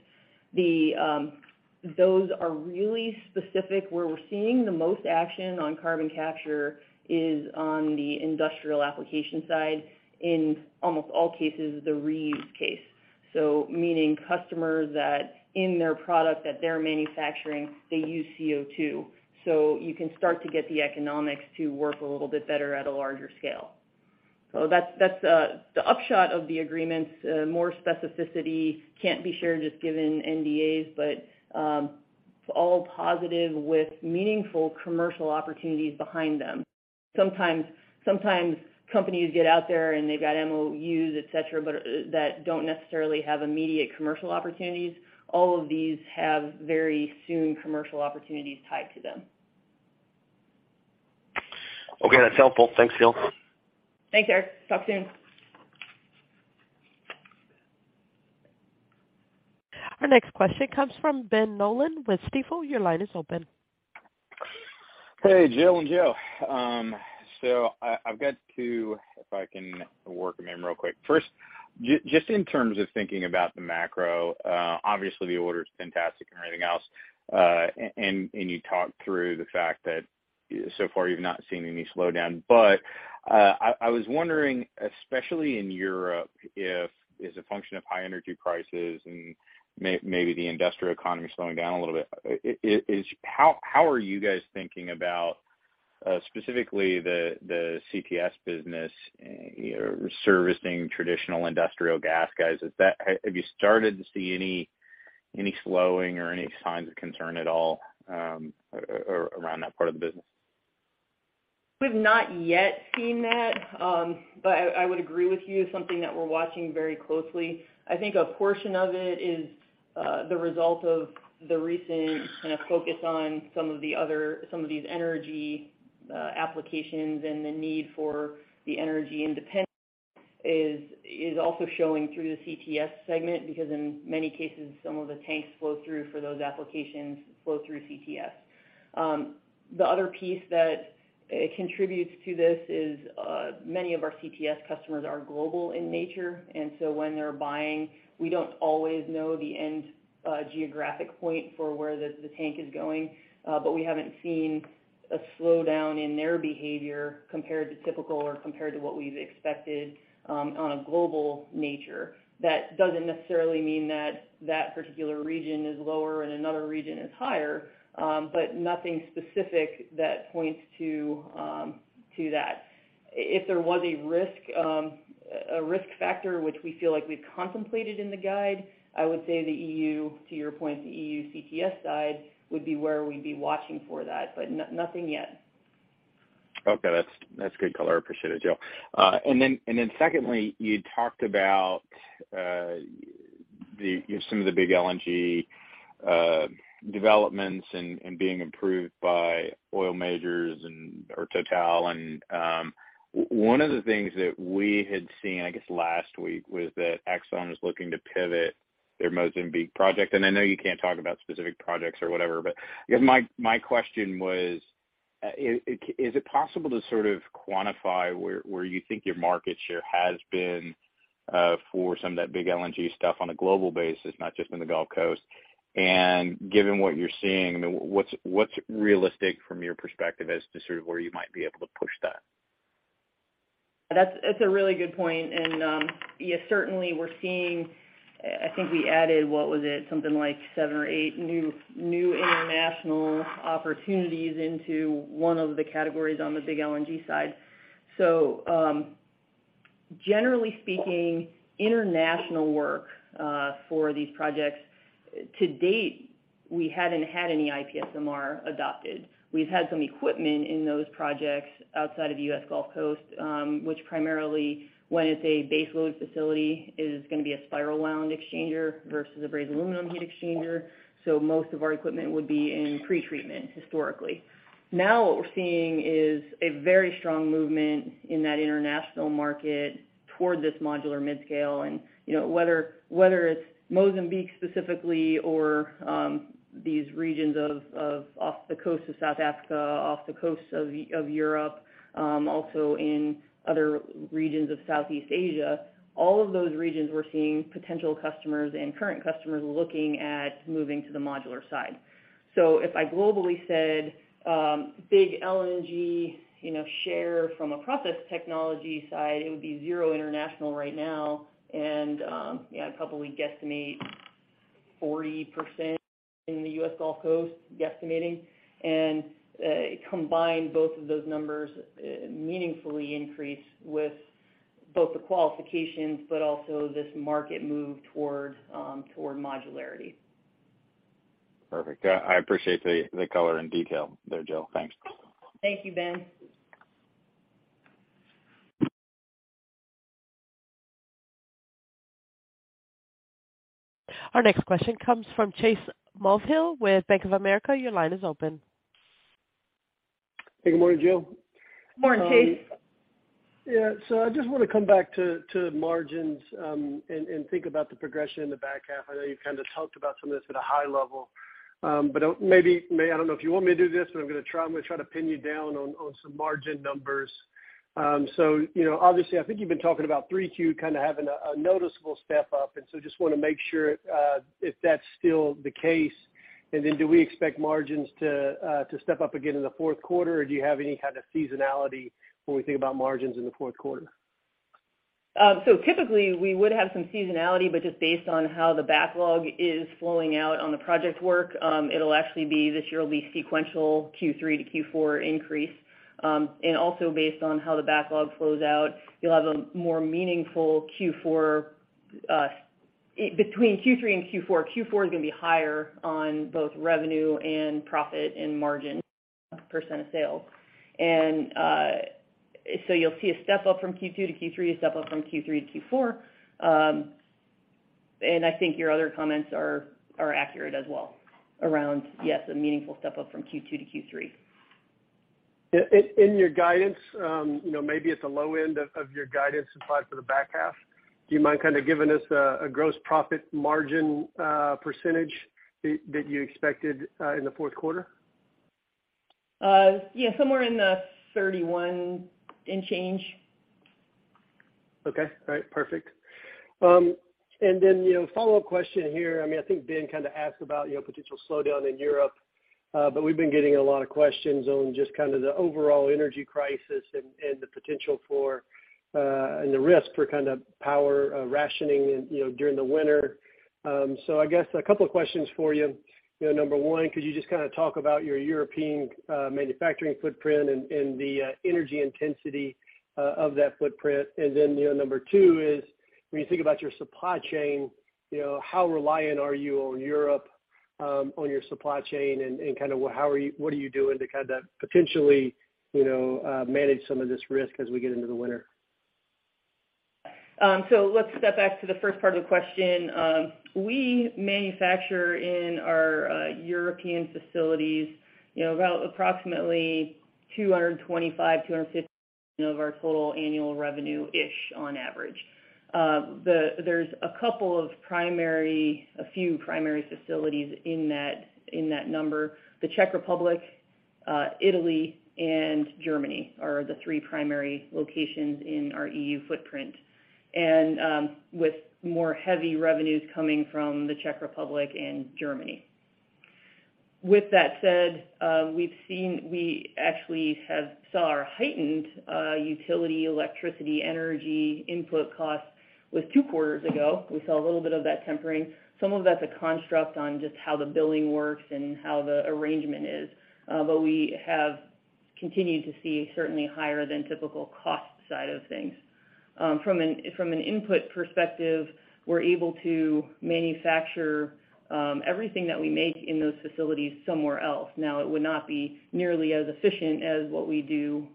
Those are really specific. Where we're seeing the most action on carbon capture is on the industrial application side, in almost all cases, the reuse case. Meaning customers that in their product that they're manufacturing, they use CO2. That's the upshot of the agreements. More specificity can't be shared just given NDAs, but it's all positive with meaningful commercial opportunities behind them. Sometimes companies get out there and they've got MOUs, et cetera, but that don't necessarily have immediate commercial opportunities. All of these have very soon commercial opportunities tied to them. Okay, that's helpful. Thanks, Jill. Thanks, Eric. Talk soon. Our next question comes from Ben Nolan with Stifel. Your line is open. Hey, Jill and Joe. I've got two, if I can work them in real quick. First, just in terms of thinking about the macro, obviously, the order is fantastic and everything else. You talked through the fact that so far you've not seen any slowdown. I was wondering, especially in Europe, if as a function of high energy prices and maybe the industrial economy slowing down a little bit, is how are you guys thinking about, specifically the CTS business, you know, servicing traditional industrial gas guys? Have you started to see any slowing or any signs of concern at all, around that part of the business? We've not yet seen that, but I would agree with you, something that we're watching very closely. I think a portion of it is the result of the recent kind of focus on some of these energy applications and the need for the energy independence is also showing through the CTS segment, because in many cases, some of the tanks flow through CTS for those applications. The other piece that contributes to this is many of our CTS customers are global in nature, and so when they're buying, we don't always know the end geographic point for where the tank is going. But we haven't seen a slowdown in their behavior compared to typical or what we've expected on a global nature. That doesn't necessarily mean that that particular region is lower and another region is higher, but nothing specific that points to that. If there was a risk, a risk factor, which we feel like we've contemplated in the guide, I would say the E.U., to your point, the E.U. CTS side would be where we'd be watching for that. Nothing yet. Okay. That's good color. I appreciate it, Jill. Then secondly, you talked about the you know some of the big LNG developments and being improved by oil majors and or Total. One of the things that we had seen, I guess, last week was that ExxonMobil was looking to pivot their Mozambique project. I know you can't talk about specific projects or whatever, but I guess my question was is it possible to sort of quantify where you think your market share has been for some of that big LNG stuff on a global basis, not just in the Gulf Coast? Given what you're seeing, I mean, what's realistic from your perspective as to sort of where you might be able to push that? That's a really good point. Yeah, certainly we're seeing. I think we added, what was it? Something like seven or eight new international opportunities into one of the categories on the big LNG side. Generally speaking, international work for these projects, to date, we hadn't had any IPSMR adopted. We've had some equipment in those projects outside of the U.S. Gulf Coast, which primarily when it's a base load facility, is gonna be a spiral wound exchanger versus a brazed aluminum heat exchanger. Most of our equipment would be in pretreatment historically. Now, what we're seeing is a very strong movement in that international market toward this modular mid-scale. You know, whether it's Mozambique specifically or these regions off the coast of South Africa, off the coast of Europe, also in other regions of Southeast Asia, all of those regions we're seeing potential customers and current customers looking at moving to the modular side. If I globally said big LNG, you know, share from a process technology side, it would be zero international right now. Yeah, I probably guesstimate 40% in the U.S. Gulf Coast, guesstimating. Combine both of those numbers meaningfully increase with both the qualifications but also this market move toward modularity. Perfect. I appreciate the color and detail there, Jill. Thanks. Thank you, Ben. Our next question comes from Chase Mulvehill with Bank of America. Your line is open. Hey, good morning, Jill. Morning, Chase. Yeah. I just wanna come back to margins and think about the progression in the back half. I know you've kind of talked about some of this at a high level. I don't know if you want me to do this, but I'm gonna try to pin you down on some margin numbers. You know, obviously, I think you've been talking about 3Q kind of having a noticeable step-up, and just wanna make sure if that's still the case. Do we expect margins to step up again in the fourth quarter, or do you have any kind of seasonality when we think about margins in the fourth quarter? Typically we would have some seasonality, but just based on how the backlog is flowing out on the project work, it'll actually be. This year will be sequential Q3 to Q4 increase. Also based on how the backlog flows out, you'll have a more meaningful Q4 between Q3 and Q4. Q4 is gonna be higher on both revenue and profit and margin percent of sales. You'll see a step up from Q2-Q3, a step up from Q3-Q4. I think your other comments are accurate as well around yes, a meaningful step up from Q2-Q3. In your guidance, you know, maybe at the low end of your guidance supply for the back half, do you mind kind of giving us a gross profit margin percentage that you expected in the fourth quarter? Yeah, somewhere in the 31 and change. Okay. All right. Perfect. Then, you know, follow-up question here. I mean, I think Ben kind of asked about, you know, potential slowdown in Europe, but we've been getting a lot of questions on just kind of the overall energy crisis and the potential for and the risk for kind of power rationing in, you know, during the winter. I guess a couple of questions for you. You know, number one, could you just kind of talk about your European manufacturing footprint and the energy intensity of that footprint? You know, number two is when you think about your supply chain, you know, how reliant are you on Europe, on your supply chain and what are you doing to kind of potentially, you know, manage some of this risk as we get into the winter? So let's step back to the first part of the question. We manufacture in our European facilities, you know, about approximately $225-$250 of our total annual revenue-ish on average. There's a few primary facilities in that number. The Czech Republic, Italy, and Germany are the three primary locations in our E.U. footprint. With more heavy revenues coming from the Czech Republic and Germany. With that said, we actually have saw our heightened utility, electricity, energy input costs with two quarters ago. We saw a little bit of that tempering. Some of that's a construct on just how the billing works and how the arrangement is. We have continued to see certainly higher than typical cost side of things. From an input perspective, we're able to manufacture everything that we make in those facilities somewhere else. It would not be nearly as efficient as what we do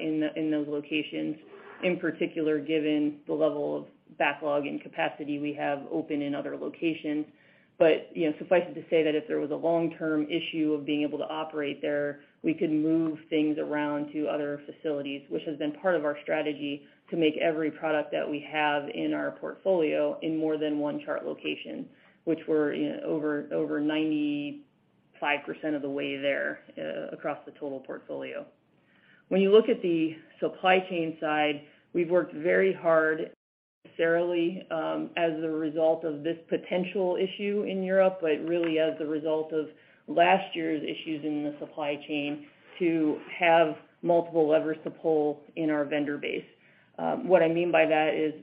in those locations, in particular, given the level of backlog and capacity we have open in other locations. You know, suffice it to say that if there was a long-term issue of being able to operate there, we could move things around to other facilities, which has been part of our strategy to make every product that we have in our portfolio in more than one Chart location, which we're over 95% of the way there, across the total portfolio. When you look at the supply chain side, we've worked very hard, necessarily, as a result of this potential issue in Europe, but really as a result of last year's issues in the supply chain to have multiple levers to pull in our vendor base. What I mean by that is,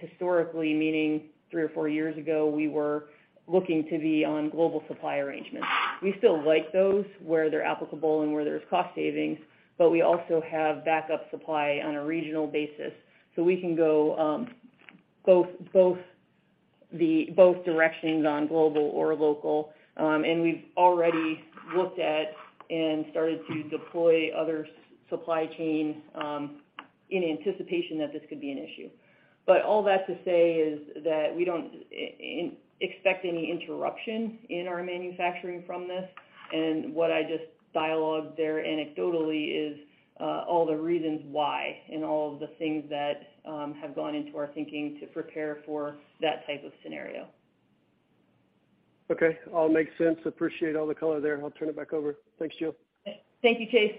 historically, meaning three or four years ago, we were looking to be on global supply arrangements. We still like those where they're applicable and where there's cost savings, but we also have backup supply on a regional basis. We can go both directions on global or local. We've already looked at and started to deploy other supply chain in anticipation that this could be an issue. All that to say is that we don't expect any interruption in our manufacturing from this. What I just dialogued there anecdotally is all the reasons why and all of the things that have gone into our thinking to prepare for that type of scenario. Okay. All makes sense. Appreciate all the color there. I'll turn it back over. Thanks, Jill. Thank you, Chase.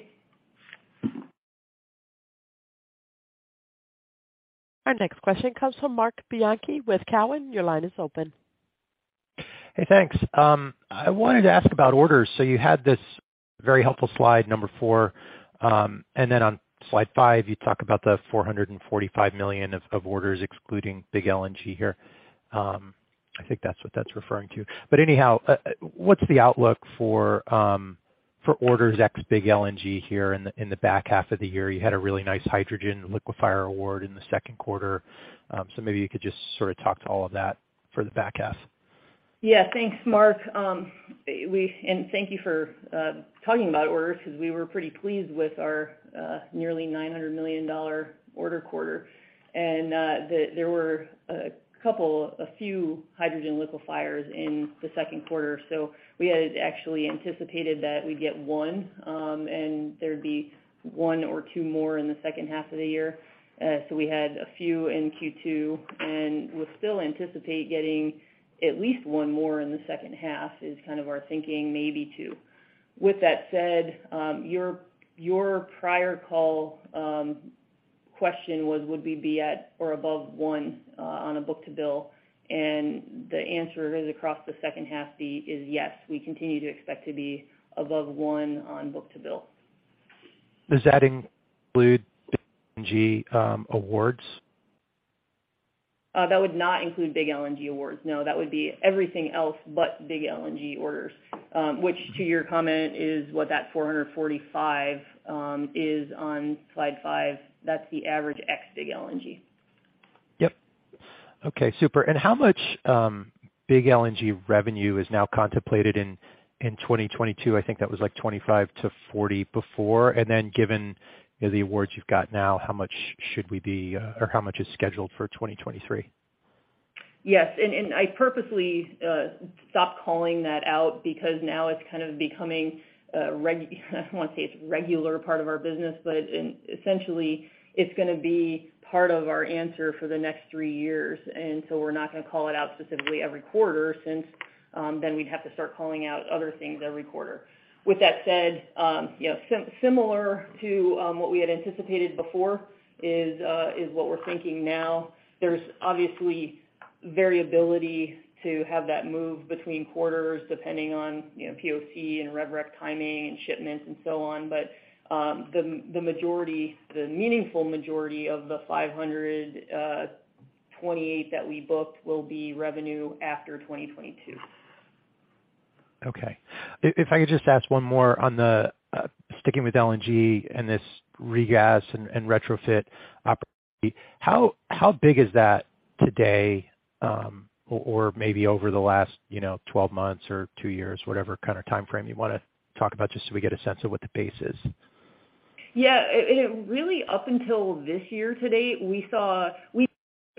Our next question comes from Marc Bianchi with Cowen. Your line is open. Hey, thanks. I wanted to ask about orders. You had this very helpful slide number four, and then on slide five, you talk about the $445 million of orders excluding big LNG here. I think that's what that's referring to. But anyhow, what's the outlook for orders ex big LNG here in the back half of the year? You had a really nice hydrogen liquefier award in the second quarter. Maybe you could just sort of talk to all of that for the back half. Yeah. Thanks, Marc. Thank you for talking about orders because we were pretty pleased with our nearly $900 million order quarter. There were a couple, a few hydrogen liquefiers in the second quarter. We had actually anticipated that we'd get one, and there'd be one or two more in the second half of the year. We had a few in Q2, and we still anticipate getting at least one more in the second half is kind of our thinking, maybe two. With that said, your prior call question was, would we be at or above one on a book-to-bill? The answer is across the second half is yes, we continue to expect to be above one on book-to-bill. Does that include LNG awards? That would not include big LNG awards. No. That would be everything else but big LNG orders. Which to your comment is what that 445 is on slide five. That's the average ex big LNG. Yep. Okay, super. How much big LNG revenue is now contemplated in 2022? I think that was like $25-$40 before. Given the awards you've got now, how much should we be or how much is scheduled for 2023? Yes, I purposely stopped calling that out because now it's kind of becoming, I don't wanna say it's regular part of our business, but essentially, it's gonna be part of our answer for the next three years. We're not gonna call it out specifically every quarter since then we'd have to start calling out other things every quarter. With that said, you know, similar to what we had anticipated before is what we're thinking now. There's obviously variability to have that move between quarters depending on, you know, POC and rev rec timing and shipments and so on. The meaningful majority of the $528 that we booked will be revenue after 2022. Okay. If I could just ask one more on sticking with LNG and this regasification and retrofit opportunity. How big is that today, or maybe over the last 12 months or two years, whatever kind of timeframe you wanna talk about just so we get a sense of what the base is? Yeah. It really up until this year to date, we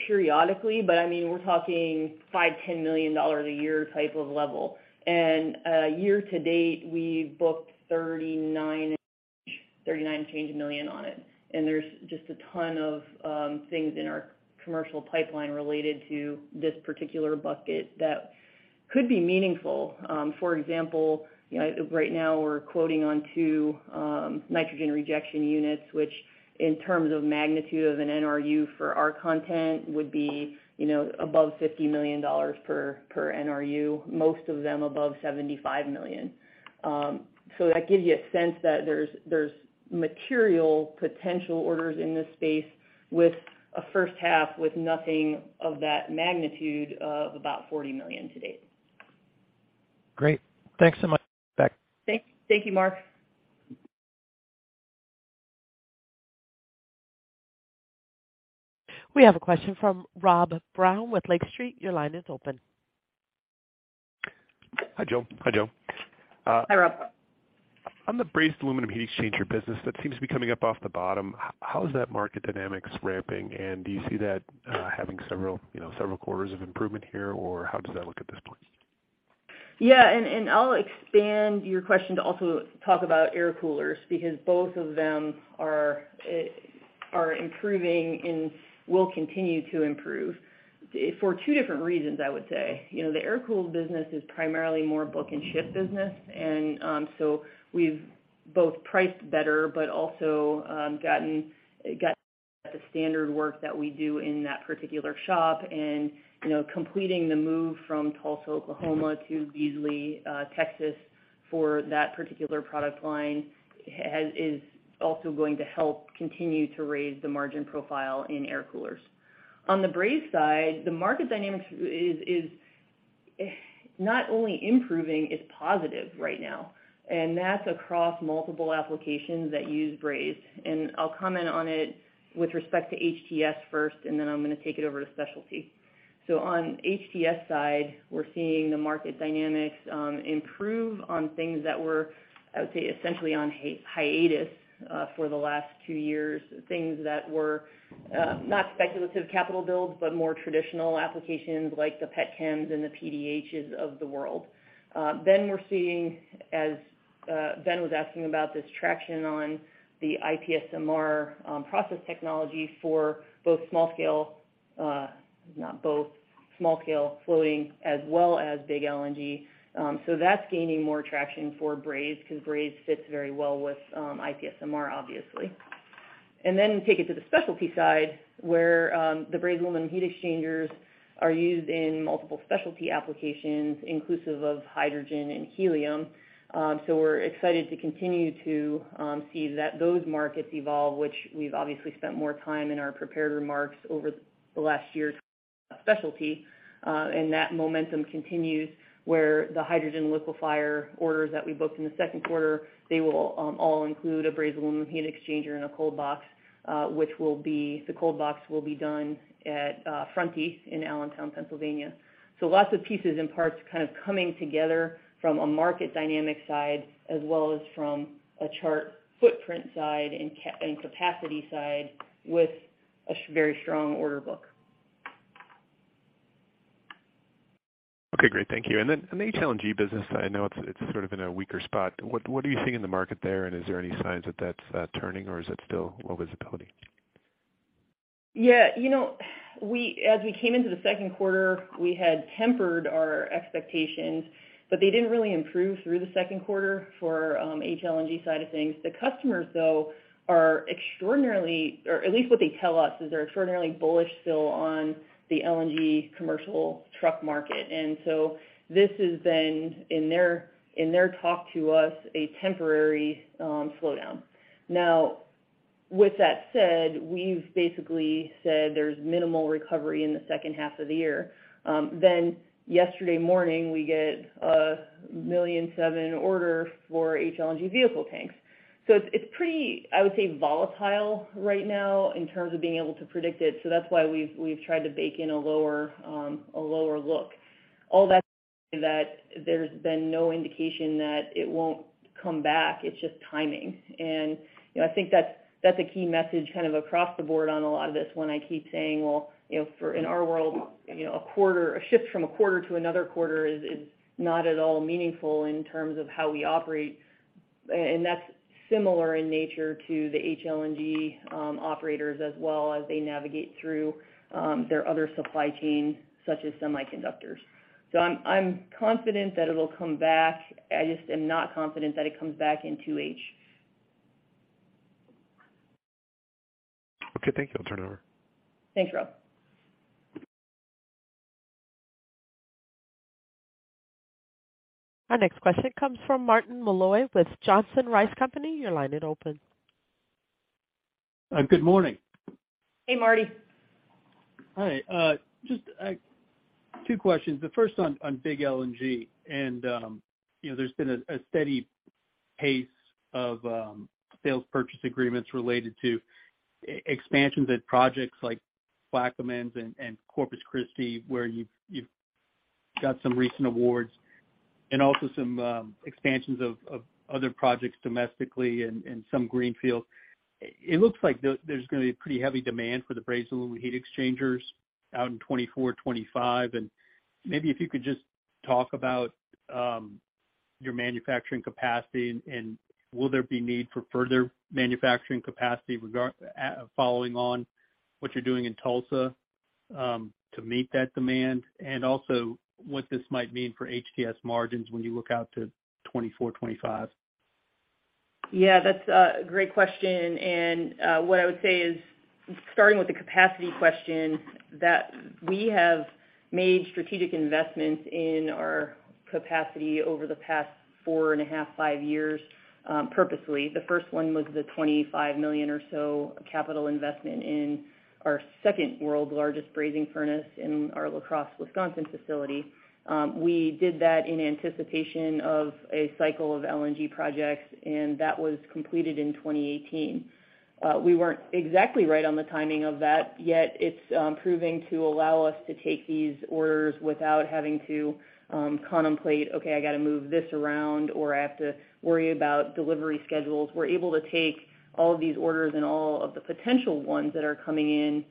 periodically, but I mean, we're talking $5 million-$10 million a year type of level. Year to date, we booked 39 change million on it. There's just a ton of things in our commercial pipeline related to this particular bucket that could be meaningful. For example, you know, right now we're quoting on two nitrogen rejection units, which in terms of magnitude of an NRU for our content would be, you know, above $50 million per NRU, most of them above $75 million. So that gives you a sense that there's material potential orders in this space with a first half with nothing of that magnitude of about $40 million to date. Great. Thanks so much. Back. Thank you, Marc. We have a question from Rob Brown with Lake Street. Your line is open. Hi, Jill. Hi, Rob. On the Brazed Aluminum Heat Exchanger business, that seems to be coming up off the bottom. How is that market dynamics ramping? And do you see that having several, you know, several quarters of improvement here, or how does that look at this point? Yeah. I'll expand your question to also talk about air coolers because both of them are improving and will continue to improve for two different reasons, I would say. You know, the air-cooled business is primarily more book and ship business. So we've both priced better but also gotten the standard work that we do in that particular shop. You know, completing the move from Tulsa, Oklahoma to Beasley, Texas for that particular product line is also going to help continue to raise the margin profile in air coolers. On the brazed side, the market dynamics is not only improving, it's positive right now, and that's across multiple applications that use brazed. I'll comment on it with respect to HTS first, and then I'm gonna take it over to specialty. On HTS side, we're seeing the market dynamics improve on things that were, I would say, essentially on hiatus for the last two years, things that were not speculative capital builds, but more traditional applications like the pet chems and the PDHs of the world. We're seeing as Ben was asking about this traction on the IPSMR® process technology for small scale floating as well as big LNG. That's gaining more traction for brazed because brazed fits very well with IPSMR®, obviously. Take it to the specialty side, where the brazed aluminum heat exchangers are used in multiple specialty applications, inclusive of hydrogen and helium. We're excited to continue to see that those markets evolve, which we've obviously spent more time in our prepared remarks over the last year's Specialty. That momentum continues where the hydrogen liquefier orders that we booked in the second quarter, they will all include a Brazed Aluminum Heat Exchanger and a Cold Box, the Cold Box will be done at Fronti in Allentown, Pennsylvania. Lots of pieces and parts kind of coming together from a market dynamic side as well as from a Chart footprint side and capacity side with a very strong order book. Okay, great. Thank you. On the HLNG business, I know it's sort of in a weaker spot. What are you seeing in the market there? Is there any signs that that's turning or is it still low visibility? Yeah. You know, as we came into the second quarter, we had tempered our expectations, but they didn't really improve through the second quarter for HLNG side of things. The customers, though, are extraordinarily, or at least what they tell us, is they're extraordinarily bullish still on the LNG commercial truck market. This has been in their talk to us a temporary slowdown. Now, with that said, we've basically said there's minimal recovery in the second half of the year. Yesterday morning we get a $1.7 million order for HLNG vehicle tanks. It's pretty, I would say, volatile right now in terms of being able to predict it. That's why we've tried to bake in a lower look. All that to say that there's been no indication that it won't come back. It's just timing. You know, I think that's a key message kind of across the board on a lot of this when I keep saying, well, you know, in our world, you know, a shift from a quarter to another quarter is not at all meaningful in terms of how we operate. That's similar in nature to the HLNG operators as well as they navigate through their other supply chains, such as semiconductors. I'm confident that it'll come back. I just am not confident that it comes back in 2H. Okay, thank you. I'll turn it over. Thanks, Rob. Our next question comes from Martin Malloy with Johnson Rice & Company. Your line is open. Good morning. Hey, Martin. Hi. Just two questions. The first on big LNG. You know, there's been a steady pace of sales purchase agreements related to expansions at projects like Plaquemines and Corpus Christi, where you've got some recent awards and also some expansions of other projects domestically and some greenfields. It looks like there's gonna be a pretty heavy demand for the Brazed Aluminum Heat Exchangers out in 2024, 2025. Maybe if you could just talk about your manufacturing capacity and will there be need for further manufacturing capacity following on what you're doing in Tulsa to meet that demand, and also what this might mean for HTS margins when you look out to 2024, 2025. Yeah, that's a great question. What I would say is, starting with the capacity question, that we have made strategic investments in our capacity over the past four and a half-five years, purposely. The first one was the $25 million or so capital investment in our second world's largest brazing furnace in our La Crosse, Wisconsin facility. We did that in anticipation of a cycle of LNG projects, and that was completed in 2018. We weren't exactly right on the timing of that, yet it's proving to allow us to take these orders without having to contemplate, okay, I got to move this around, or I have to worry about delivery schedules. We're able to take all of these orders and all of the potential ones that are coming in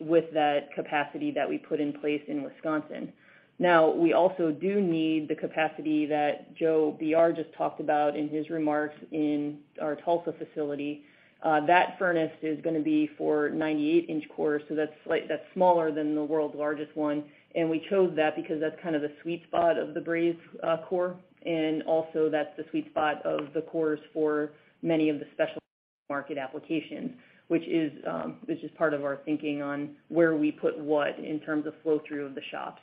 with that capacity that we put in place in Wisconsin. Now, we also do need the capacity that Joe Brinkman just talked about in his remarks in our Tulsa facility. That furnace is gonna be for 98-inch cores. That's smaller than the world's largest one. We chose that because that's kind of the sweet spot of the braze core. Also that's the sweet spot of the cores for many of the special market applications, which is part of our thinking on where we put what in terms of flow through of the shops.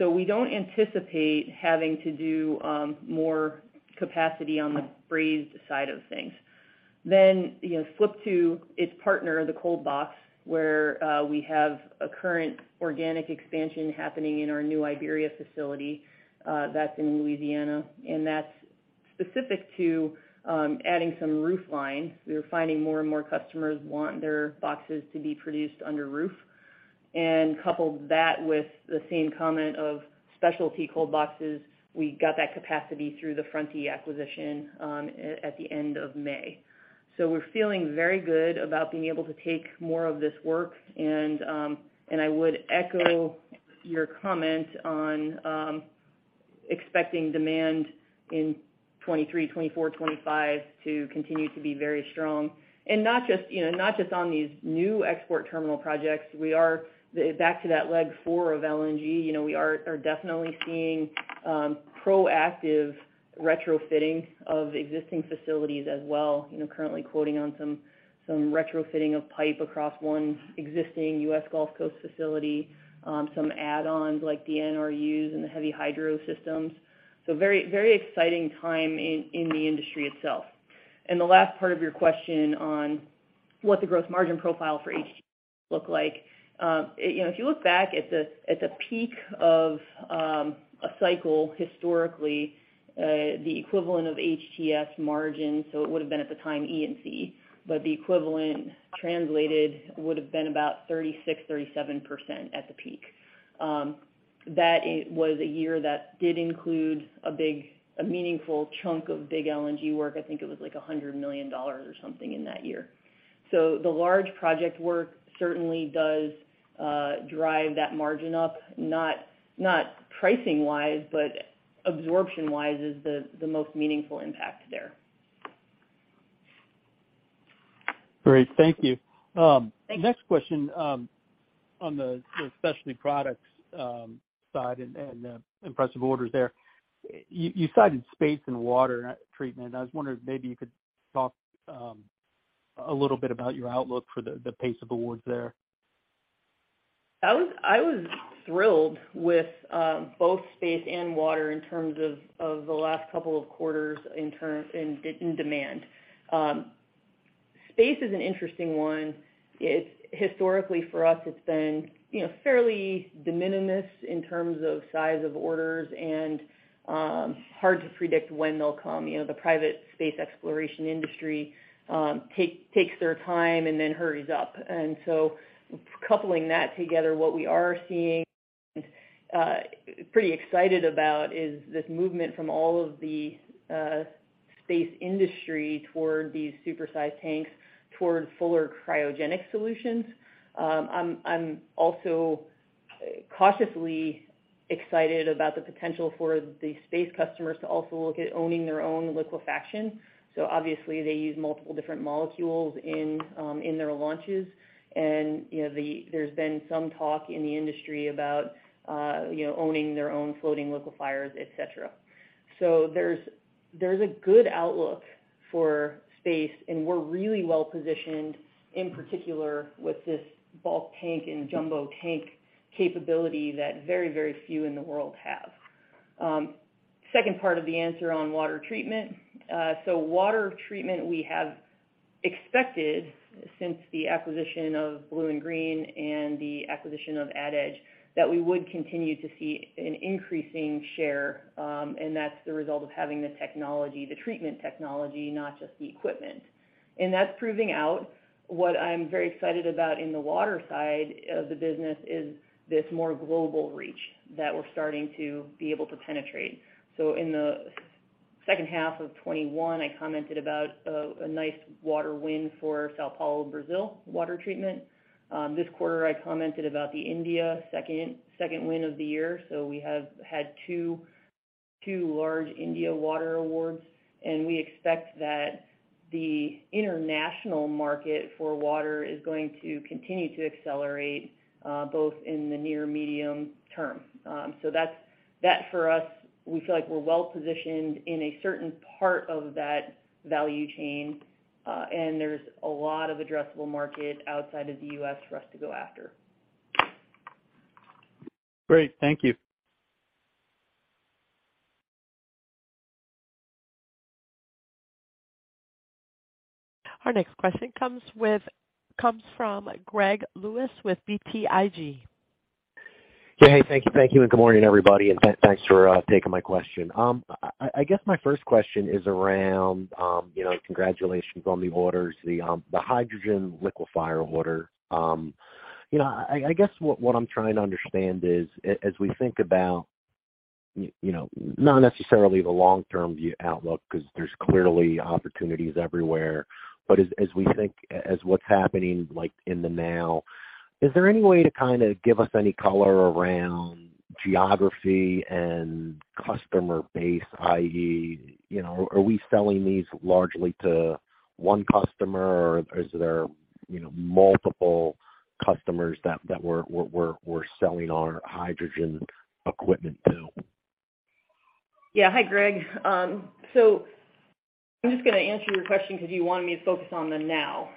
We don't anticipate having to do more capacity on the braze side of things. You know, flip to its partner, the Cold Box, where we have a current organic expansion happening in our New Iberia facility, that's in Louisiana. That's specific to adding some roof lines. We are finding more and more customers want their boxes to be produced under roof. Coupled that with the same comment of specialty Cold Boxes, we got that capacity through the Fronti acquisition at the end of May. We're feeling very good about being able to take more of this work. I would echo your comment on expecting demand in 2023, 2024, 2025 to continue to be very strong. Not just, you know, not just on these new export terminal projects, we are back to that leg four of LNG. You know, we are definitely seeing proactive retrofitting of existing facilities as well. You know, currently quoting on some retrofitting of pipe across one existing U.S. Gulf Coast facility, some add-ons like the NRUs and the heavy hydro systems. Very exciting time in the industry itself. The last part of your question on what the growth margin profile for HTS look like. You know, if you look back at the peak of a cycle historically, the equivalent of HTS margin, so it would have been at the time E&C, but the equivalent translated would have been about 36%-37% at the peak. That it was a year that did include a big, meaningful chunk of big LNG work. I think it was like $100 million or something in that year. The large project work certainly does drive that margin up, not pricing-wise, but absorption-wise is the most meaningful impact there. Great. Thank you. Thanks. Next question on the Specialty Products side and the impressive orders there. You cited space and water treatment. I was wondering if maybe you could talk a little bit about your outlook for the pace of awards there. I was thrilled with both space and water in terms of the last couple of quarters in demand. Space is an interesting one. It's historically for us, it's been, you know, fairly de minimis in terms of size of orders. Hard to predict when they'll come. You know, the private space exploration industry takes their time and then hurries up. Coupling that together, what we are seeing, pretty excited about is this movement from all of the space industry toward these super-sized tanks, towards fuller cryogenic solutions. I'm also cautiously excited about the potential for the space customers to also look at owning their own liquefaction. Obviously, they use multiple different molecules in their launches. You know, there's been some talk in the industry about, you know, owning their own floating liquefiers, et cetera. There's a good outlook for space, and we're really well positioned, in particular, with this bulk tank and jumbo tank capability that very, very few in the world have. Second part of the answer on water treatment. Water treatment we have expected since the acquisition of BlueInGreen and the acquisition of AdEdge, that we would continue to see an increasing share, and that's the result of having the technology, the treatment technology, not just the equipment. That's proving out. What I'm very excited about in the water side of the business is this more global reach that we're starting to be able to penetrate. In the second half of 2021, I commented about a nice water win for São Paulo, Brazil, water treatment. This quarter, I commented about the second India win of the year. We have had two large India water awards, and we expect that the international market for water is going to continue to accelerate both in the near medium term. That's for us; we feel like we're well positioned in a certain part of that value chain, and there's a lot of addressable market outside of the U.S. for us to go after. Great. Thank you. Our next question comes from Gregory Lewis with BTIG. Yeah. Hey, thank you. Thank you, and good morning, everybody. Thanks for taking my question. I guess my first question is around, you know, congratulations on the orders, the hydrogen liquefier order. You know, I guess what I'm trying to understand is, as we think about, you know, not necessarily the long-term view outlook 'cause there's clearly opportunities everywhere. But as we think about what's happening, like, in the now, is there any way to kind of give us any color around geography and customer base, i.e., you know, are we selling these largely to one customer or is there, you know, multiple customers that we're selling our hydrogen equipment to? Yeah. Hi, Greg. I'm just gonna answer your question 'cause you wanted me to focus on the now.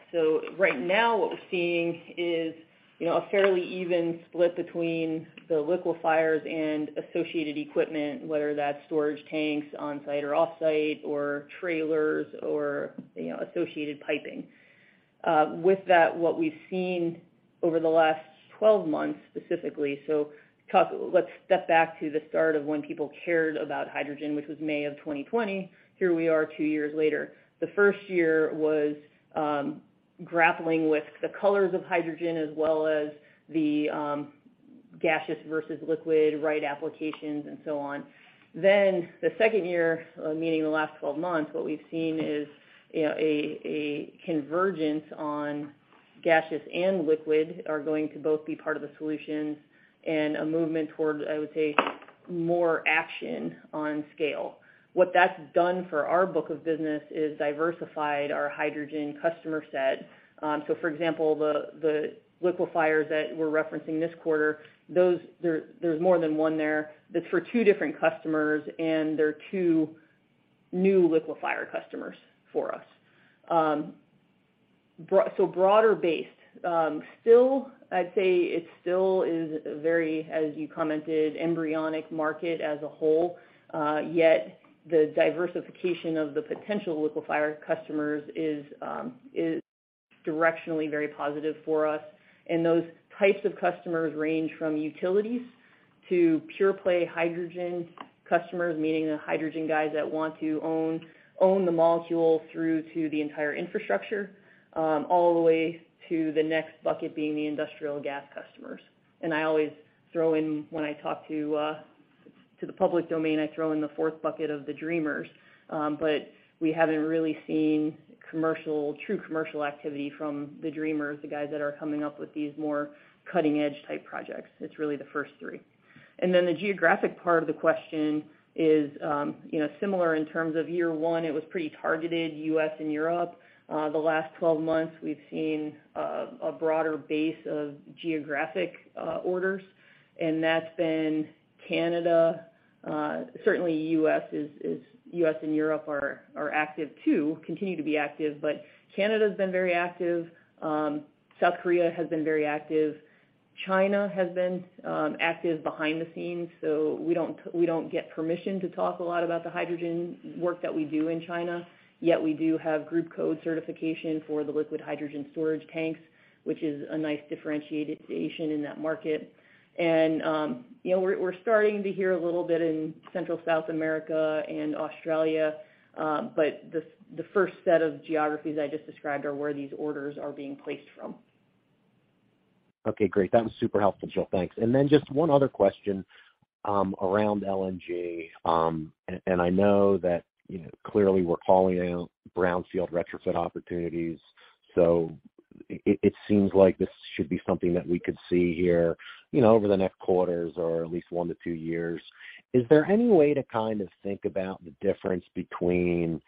Right now, what we're seeing is, you know, a fairly even split between the liquefiers and associated equipment, whether that's storage tanks on site or offsite or trailers or, you know, associated piping. With that, what we've seen over the last 12 months, specifically, let's step back to the start of when people cared about hydrogen, which was May of 2020. Here we are two years later. The first year was grappling with the colors of hydrogen as well as the gaseous versus liquid, right, applications and so on. The second year, meaning the last 12 months, what we've seen is, you know, a convergence on gaseous and liquid are going to both be part of the solution and a movement towards, I would say, more action on scale. What that's done for our book of business is diversified our hydrogen customer set. So for example, the liquefiers that we're referencing this quarter, there's more than one there. That's for two different customers, and they're two new liquefier customers for us. Broader base. Still, I'd say it still is very, as you commented, embryonic market as a whole, yet the diversification of the potential liquefier customers is directionally very positive for us. Those types of customers range from utilities to pure play hydrogen customers, meaning the hydrogen guys that want to own the molecule through to the entire infrastructure, all the way to the next bucket being the industrial gas customers. I always throw in, when I talk to the public domain, I throw in the fourth bucket of the dreamers. But we haven't really seen commercial, true commercial activity from the dreamers, the guys that are coming up with these more cutting-edge type projects. It's really the first three. Then the geographic part of the question is, you know, similar in terms of year one, it was pretty targeted U.S. and Europe. The last 12 months, we've seen a broader base of geographic orders, and that's been Canada, certainly U.S. and Europe are active too, continue to be active. Canada's been very active, South Korea has been very active. China has been active behind the scenes, so we don't get permission to talk a lot about the hydrogen work that we do in China. Yet we do have group code certification for the liquid hydrogen storage tanks, which is a nice differentiation in that market. You know, we're starting to hear a little bit in Central South America and Australia. The first set of geographies I just described are where these orders are being placed from. Okay, great. That was super helpful, Jill. Thanks. Just one other question around LNG. I know that, you know, clearly we're calling out brownfield retrofit opportunities, so it seems like this should be something that we could see here, you know, over the next quarters or at least one to two years. Is there any way to kind of think about the difference between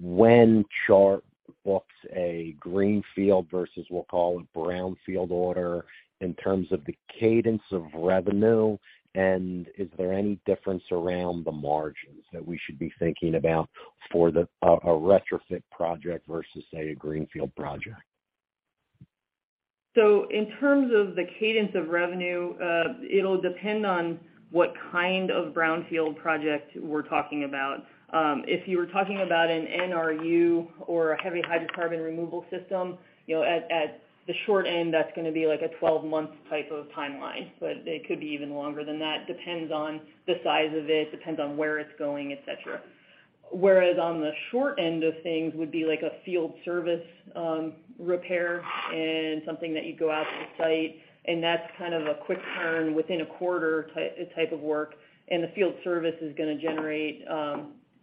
when Chart books a greenfield versus, we'll call it, brownfield order in terms of the cadence of revenue? Is there any difference around the margins that we should be thinking about for a retrofit project versus, say, a greenfield project? In terms of the cadence of revenue, it'll depend on what kind of brownfield project we're talking about. If you were talking about an NRU or a heavy hydrocarbon removal system, you know, at the short end, that's gonna be like a 12-month type of timeline, but it could be even longer than that. Depends on the size of it, depends on where it's going, et cetera. Whereas on the short end of things would be like a field service, repair and something that you go out to the site, and that's kind of a quick turn within a quarter-type of work. The field service is gonna generate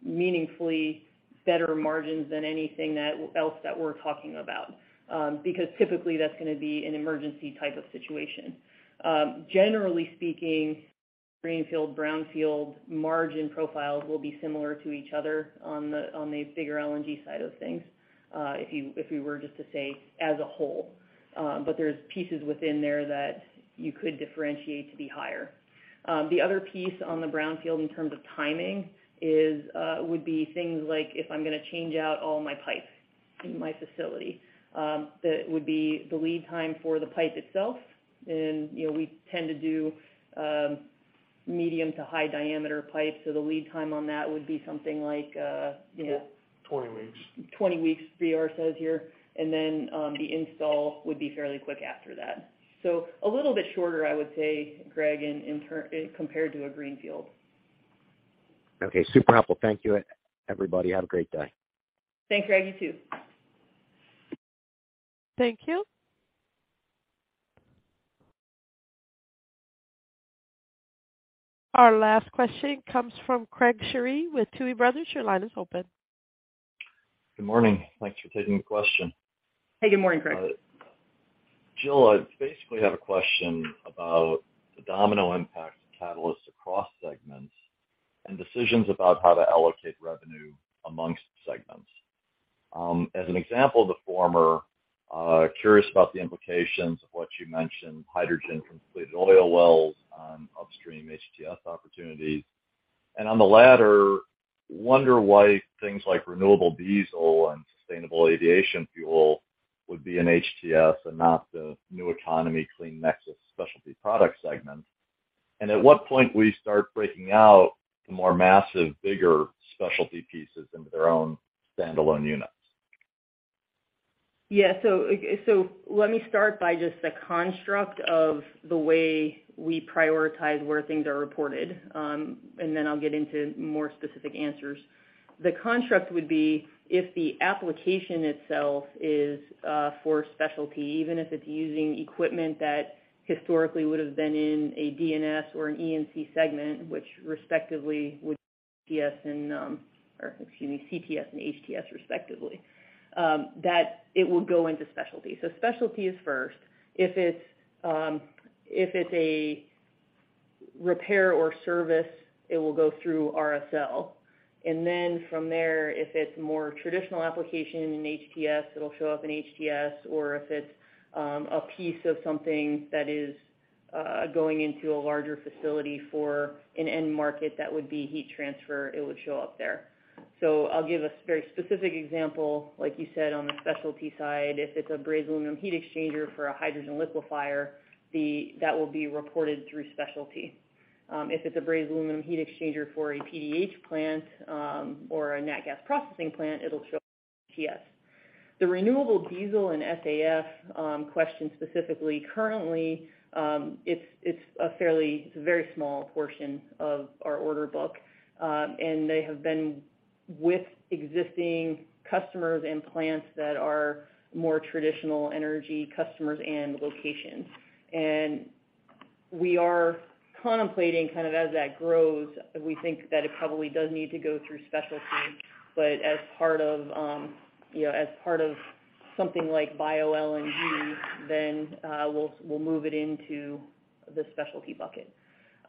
meaningfully better margins than anything else that we're talking about. Because typically that's gonna be an emergency type of situation. Generally speaking, greenfield, brownfield margin profiles will be similar to each other on the bigger LNG side of things, if we were just to say as a whole. But there's pieces within there that you could differentiate to be higher. The other piece on the brownfield in terms of timing would be things like if I'm gonna change out all my pipes in my facility, that would be the lead time for the pipe itself. You know, we tend to do medium to high diameter pipes, so the lead time on that would be something like, you know. 20 weeks. 20 weeks, BR says here. Then, the install would be fairly quick after that. A little bit shorter, I would say, Greg, in terms compared to a greenfield. Okay, super helpful. Thank you everybody. Have a great day. Thanks, Greg. You too. Thank you. Our last question comes from Craig Shere with Tuohy Brothers. Your line is open. Good morning. Thanks for taking the question. Hey, good morning, Craig. Jill, I basically have a question about the domino impact of catalysts across segments and decisions about how to allocate revenue among segments. As an example of the former, curious about the implications of what you mentioned, hydrogen depleted oil wells on upstream HTS opportunities. On the latter, wonder why things like renewable diesel and sustainable aviation fuel would be in HTS and not the new economy clean nexus specialty product segment. At what point we start breaking out the more massive, bigger specialty pieces into their own standalone units. Let me start by just the construct of the way we prioritize where things are reported, and then I'll get into more specific answers. The construct would be if the application itself is for specialty, even if it's using equipment that historically would have been in a CTS or an E&C segment, which respectively would be CTS and HTS respectively, that it would go into specialty. Specialty is first. If it's a repair or service, it will go through RSL. Then from there, if it's more traditional application in HTS, it'll show up in HTS, or if it's a piece of something that is going into a larger facility for an end market that would be heat transfer, it would show up there. I'll give a very specific example. Like you said, on the specialty side, if it's a brazed aluminum heat exchanger for a hydrogen liquefier, that will be reported through specialty. If it's a brazed aluminum heat exchanger for a PDH plant, or a nat gas processing plant, it'll show up in HTS. The renewable diesel and SAF question specifically, currently, it's a very small portion of our order book, and they have been with existing customers and plants that are more traditional energy customers and locations. We are contemplating kind of as that grows, we think that it probably does need to go through specialty, but as part of, you know, as part of something like bio-LNG, then we'll move it into the specialty bucket.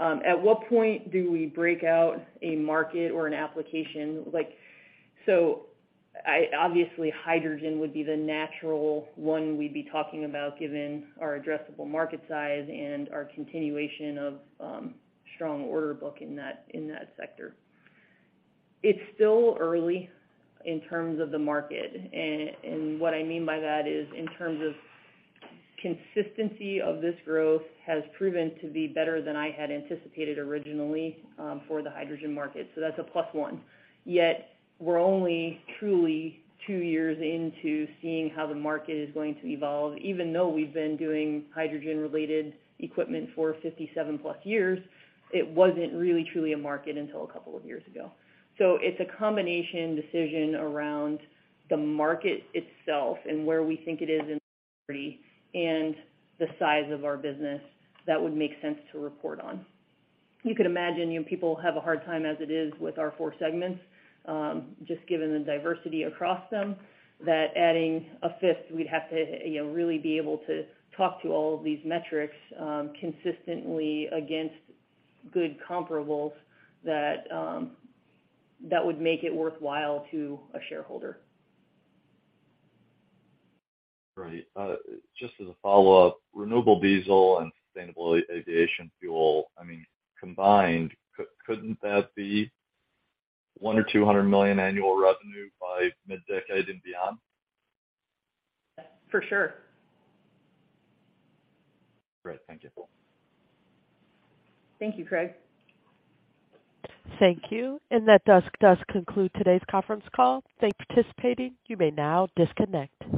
At what point do we break out a market or an application like I obviously hydrogen would be the natural one we'd be talking about given our addressable market size and our continuation of strong order book in that sector. It's still early in terms of the market. And what I mean by that is in terms of consistency of this growth has proven to be better than I had anticipated originally for the hydrogen market. That's a plus one. Yet, we're only truly two years into seeing how the market is going to evolve. Even though we've been doing hydrogen-related equipment for 57+ years, it wasn't really truly a market until a couple of years ago. It's a combination decision around the market itself and where we think it is in maturity and the size of our business that would make sense to report on. You can imagine, you know, people have a hard time as it is with our four segments, just given the diversity across them, that adding a fifth, we'd have to, you know, really be able to talk to all of these metrics, consistently against good comparables that would make it worthwhile to a shareholder. Right. Just as a follow-up, renewable diesel and Sustainable Aviation Fuel, I mean, combined, couldn't that be $100 million-$200 million annual revenue by mid-decade and beyond? For sure. Great. Thank you. Thank you, Craig. Thank you. That does conclude today's conference call. Thanks for participating. You may now disconnect.